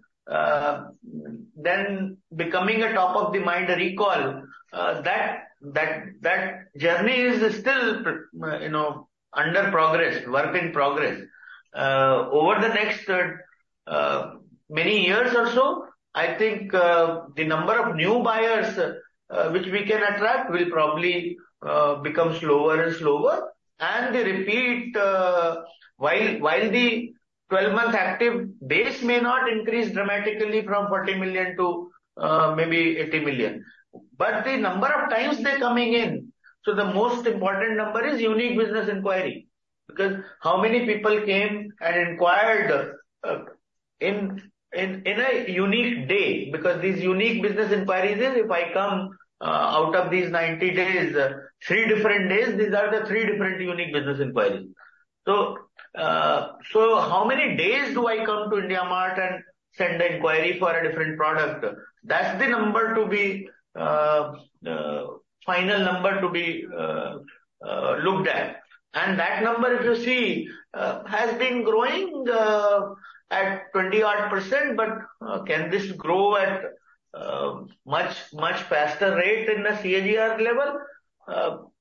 becoming a top-of-the-mind recall, that journey is still, you know, under progress, work in progress. Over the next many years or so, I think, the number of new buyers which we can attract will probably become slower and slower. And the repeat, while the 12-month active base may not increase dramatically from 40 million to maybe 80 million, but the number of times they're coming in. So the most important number is Unique Business Enquiry, because how many people came and inquired in a unique day? Because these Unique Business Enquiries is, if I come out of these 90 days, three different days, these are the three different Unique Business Enquiries. So, so how many days do I come to IndiaMART and send an inquiry for a different product? That's the number to be final number to be looked at. And that number, if you see, has been growing at 20-odd %, but, can this grow at much, much faster rate in the CAGR level?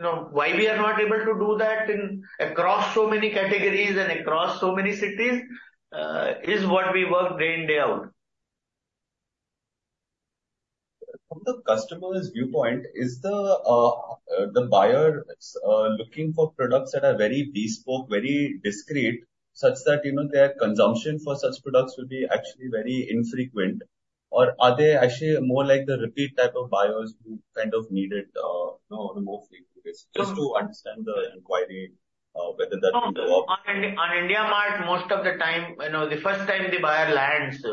You know, why we are not able to do that in across so many categories and across so many cities is what we work day in, day out. From the customer's viewpoint, is the, the buyer, looking for products that are very bespoke, very discreet, such that, you know, their consumption for such products will be actually very infrequent? Or are they actually more like the repeat type of buyers who kind of need it, you know, more frequently? Just to understand the inquiry, whether that will go up. On IndiaMART, most of the time, you know, the first time the buyer lands,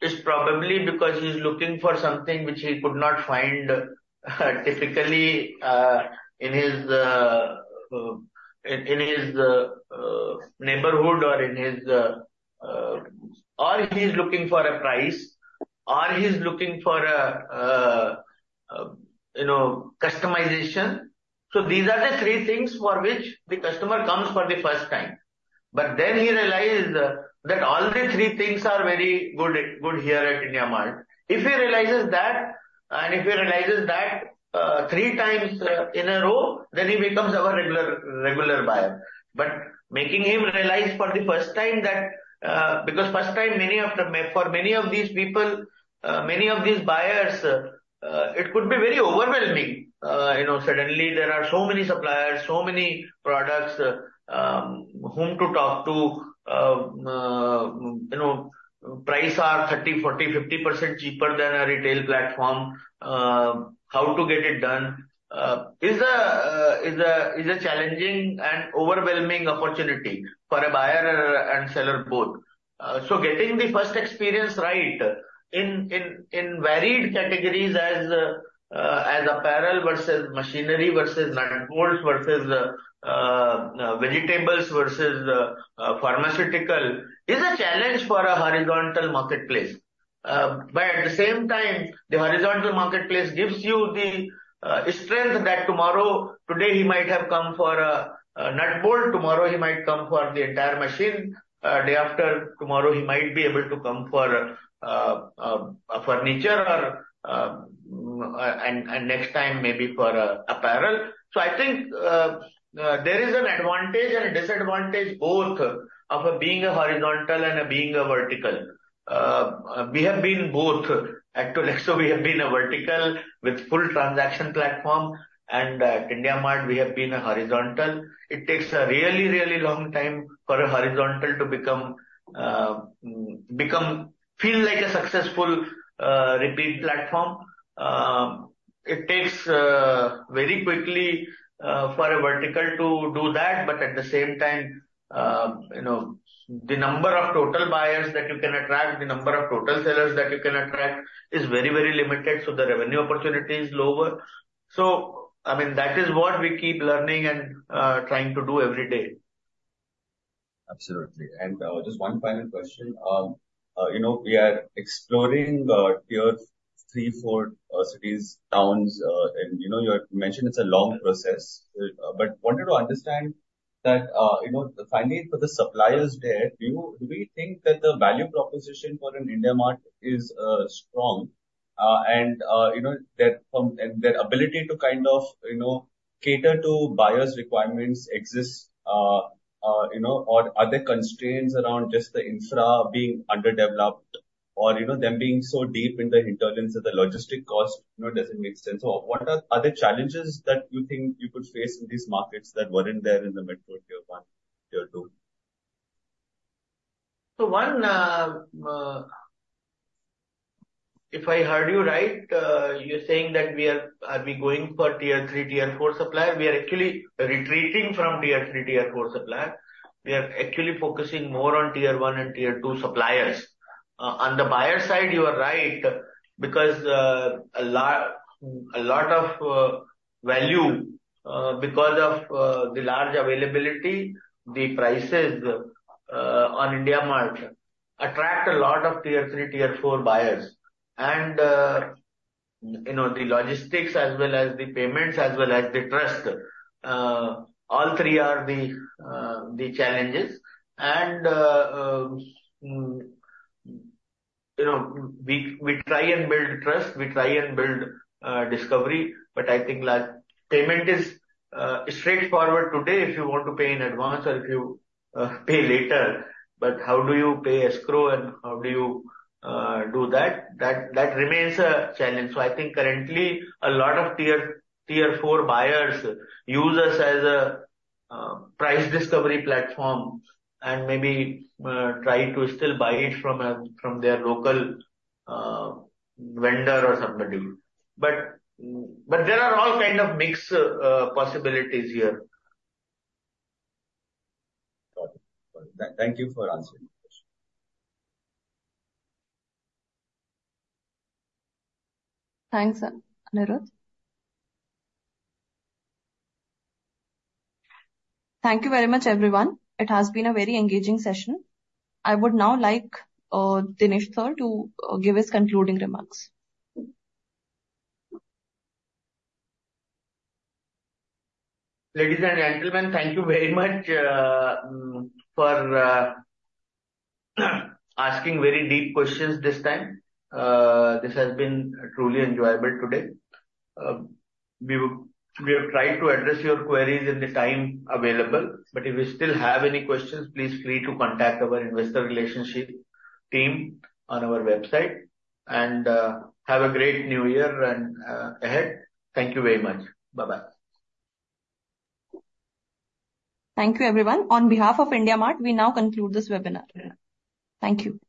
it's probably because he's looking for something which he could not find typically in his neighborhood, or he's looking for a price, or he's looking for a, you know, customization. So these are the three things for which the customer comes for the first time. But then he realizes that all the three things are very good here at IndiaMART. If he realizes that, and if he realizes that three times in a row, then he becomes our regular buyer. But making him realize for the first time that, because first time, for many of these buyers, it could be very overwhelming. You know, suddenly there are so many suppliers, so many products, whom to talk to. You know, price are 30%, 40%, 50% cheaper than a retail platform. How to get it done is a challenging and overwhelming opportunity for a buyer and seller both. So getting the first experience right in varied categories as apparel versus machinery versus nut bolts versus vegetables versus pharmaceutical is a challenge for a horizontal marketplace. But at the same time, the horizontal marketplace gives you the strength that tomorrow. Today he might have come for a nut bolt, tomorrow he might come for the entire machine. Day after tomorrow, he might be able to come for a furniture or and next time maybe for apparel. So I think, there is an advantage and a disadvantage both of being a horizontal and being a vertical. We have been both. At Tolexo we have been a vertical with full transaction platform, and at IndiaMART, we have been a horizontal. It takes a really, really long time for a horizontal to become become feel like a successful repeat platform. It takes very quickly for a vertical to do that, but at the same time, you know, the number of total buyers that you can attract, the number of total sellers that you can attract is very, very limited, so the revenue opportunity is lower. I mean, that is what we keep learning and trying to do every day. Absolutely. And, just one final question. You know, we are exploring Tier 3, 4 cities, towns, and you know, you had mentioned it's a long process. But wanted to understand that you know, finally for the suppliers there, do you, do we think that the value proposition for an IndiaMART is strong? You know, that their ability to kind of, you know, cater to buyers' requirements exists, you know, or are there constraints around just the infra being underdeveloped or, you know, them being so deep in the hinterlands that the logistic cost, you know, doesn't make sense? Or what are other challenges that you think you could face in these markets that weren't there in the metro Tier 1, 2? So, one, if I heard you right, you're saying that we are... Are we going for Tier 3, Tier 4 supplier? We are actually retreating from Tier 3, Tier 4 supplier. We are actually focusing more on Tier 1 and Tier 2 suppliers. On the buyer side, you are right, because a lot of value because of the large availability, the prices on IndiaMART attract a lot of Tier 3, Tier 4 buyers. And you know, the logistics as well as the payments, as well as the trust, all three are the challenges. And you know, we try and build trust, we try and build discovery. But I think large payment is straightforward today, if you want to pay in advance or if you pay later. But how do you pay escrow and how do you do that? That remains a challenge. So I think currently a lot of Tier 4 buyers use us as a price discovery platform and maybe try to still buy it from their local vendor or somebody. But there are all kind of mixed possibilities here. Got it. Thank you for answering my question. Thanks, Anirudh. Thank you very much, everyone. It has been a very engaging session. I would now like Dinesh sir to give his concluding remarks. Ladies and gentlemen, thank you very much for asking very deep questions this time. This has been truly enjoyable today. We have tried to address your queries in the time available, but if you still have any questions, please feel free to contact our investor relationship team on our website. And have a great new year and ahead. Thank you very much. Bye-bye. Thank you, everyone. On behalf of IndiaMART, we now conclude this webinar. Thank you.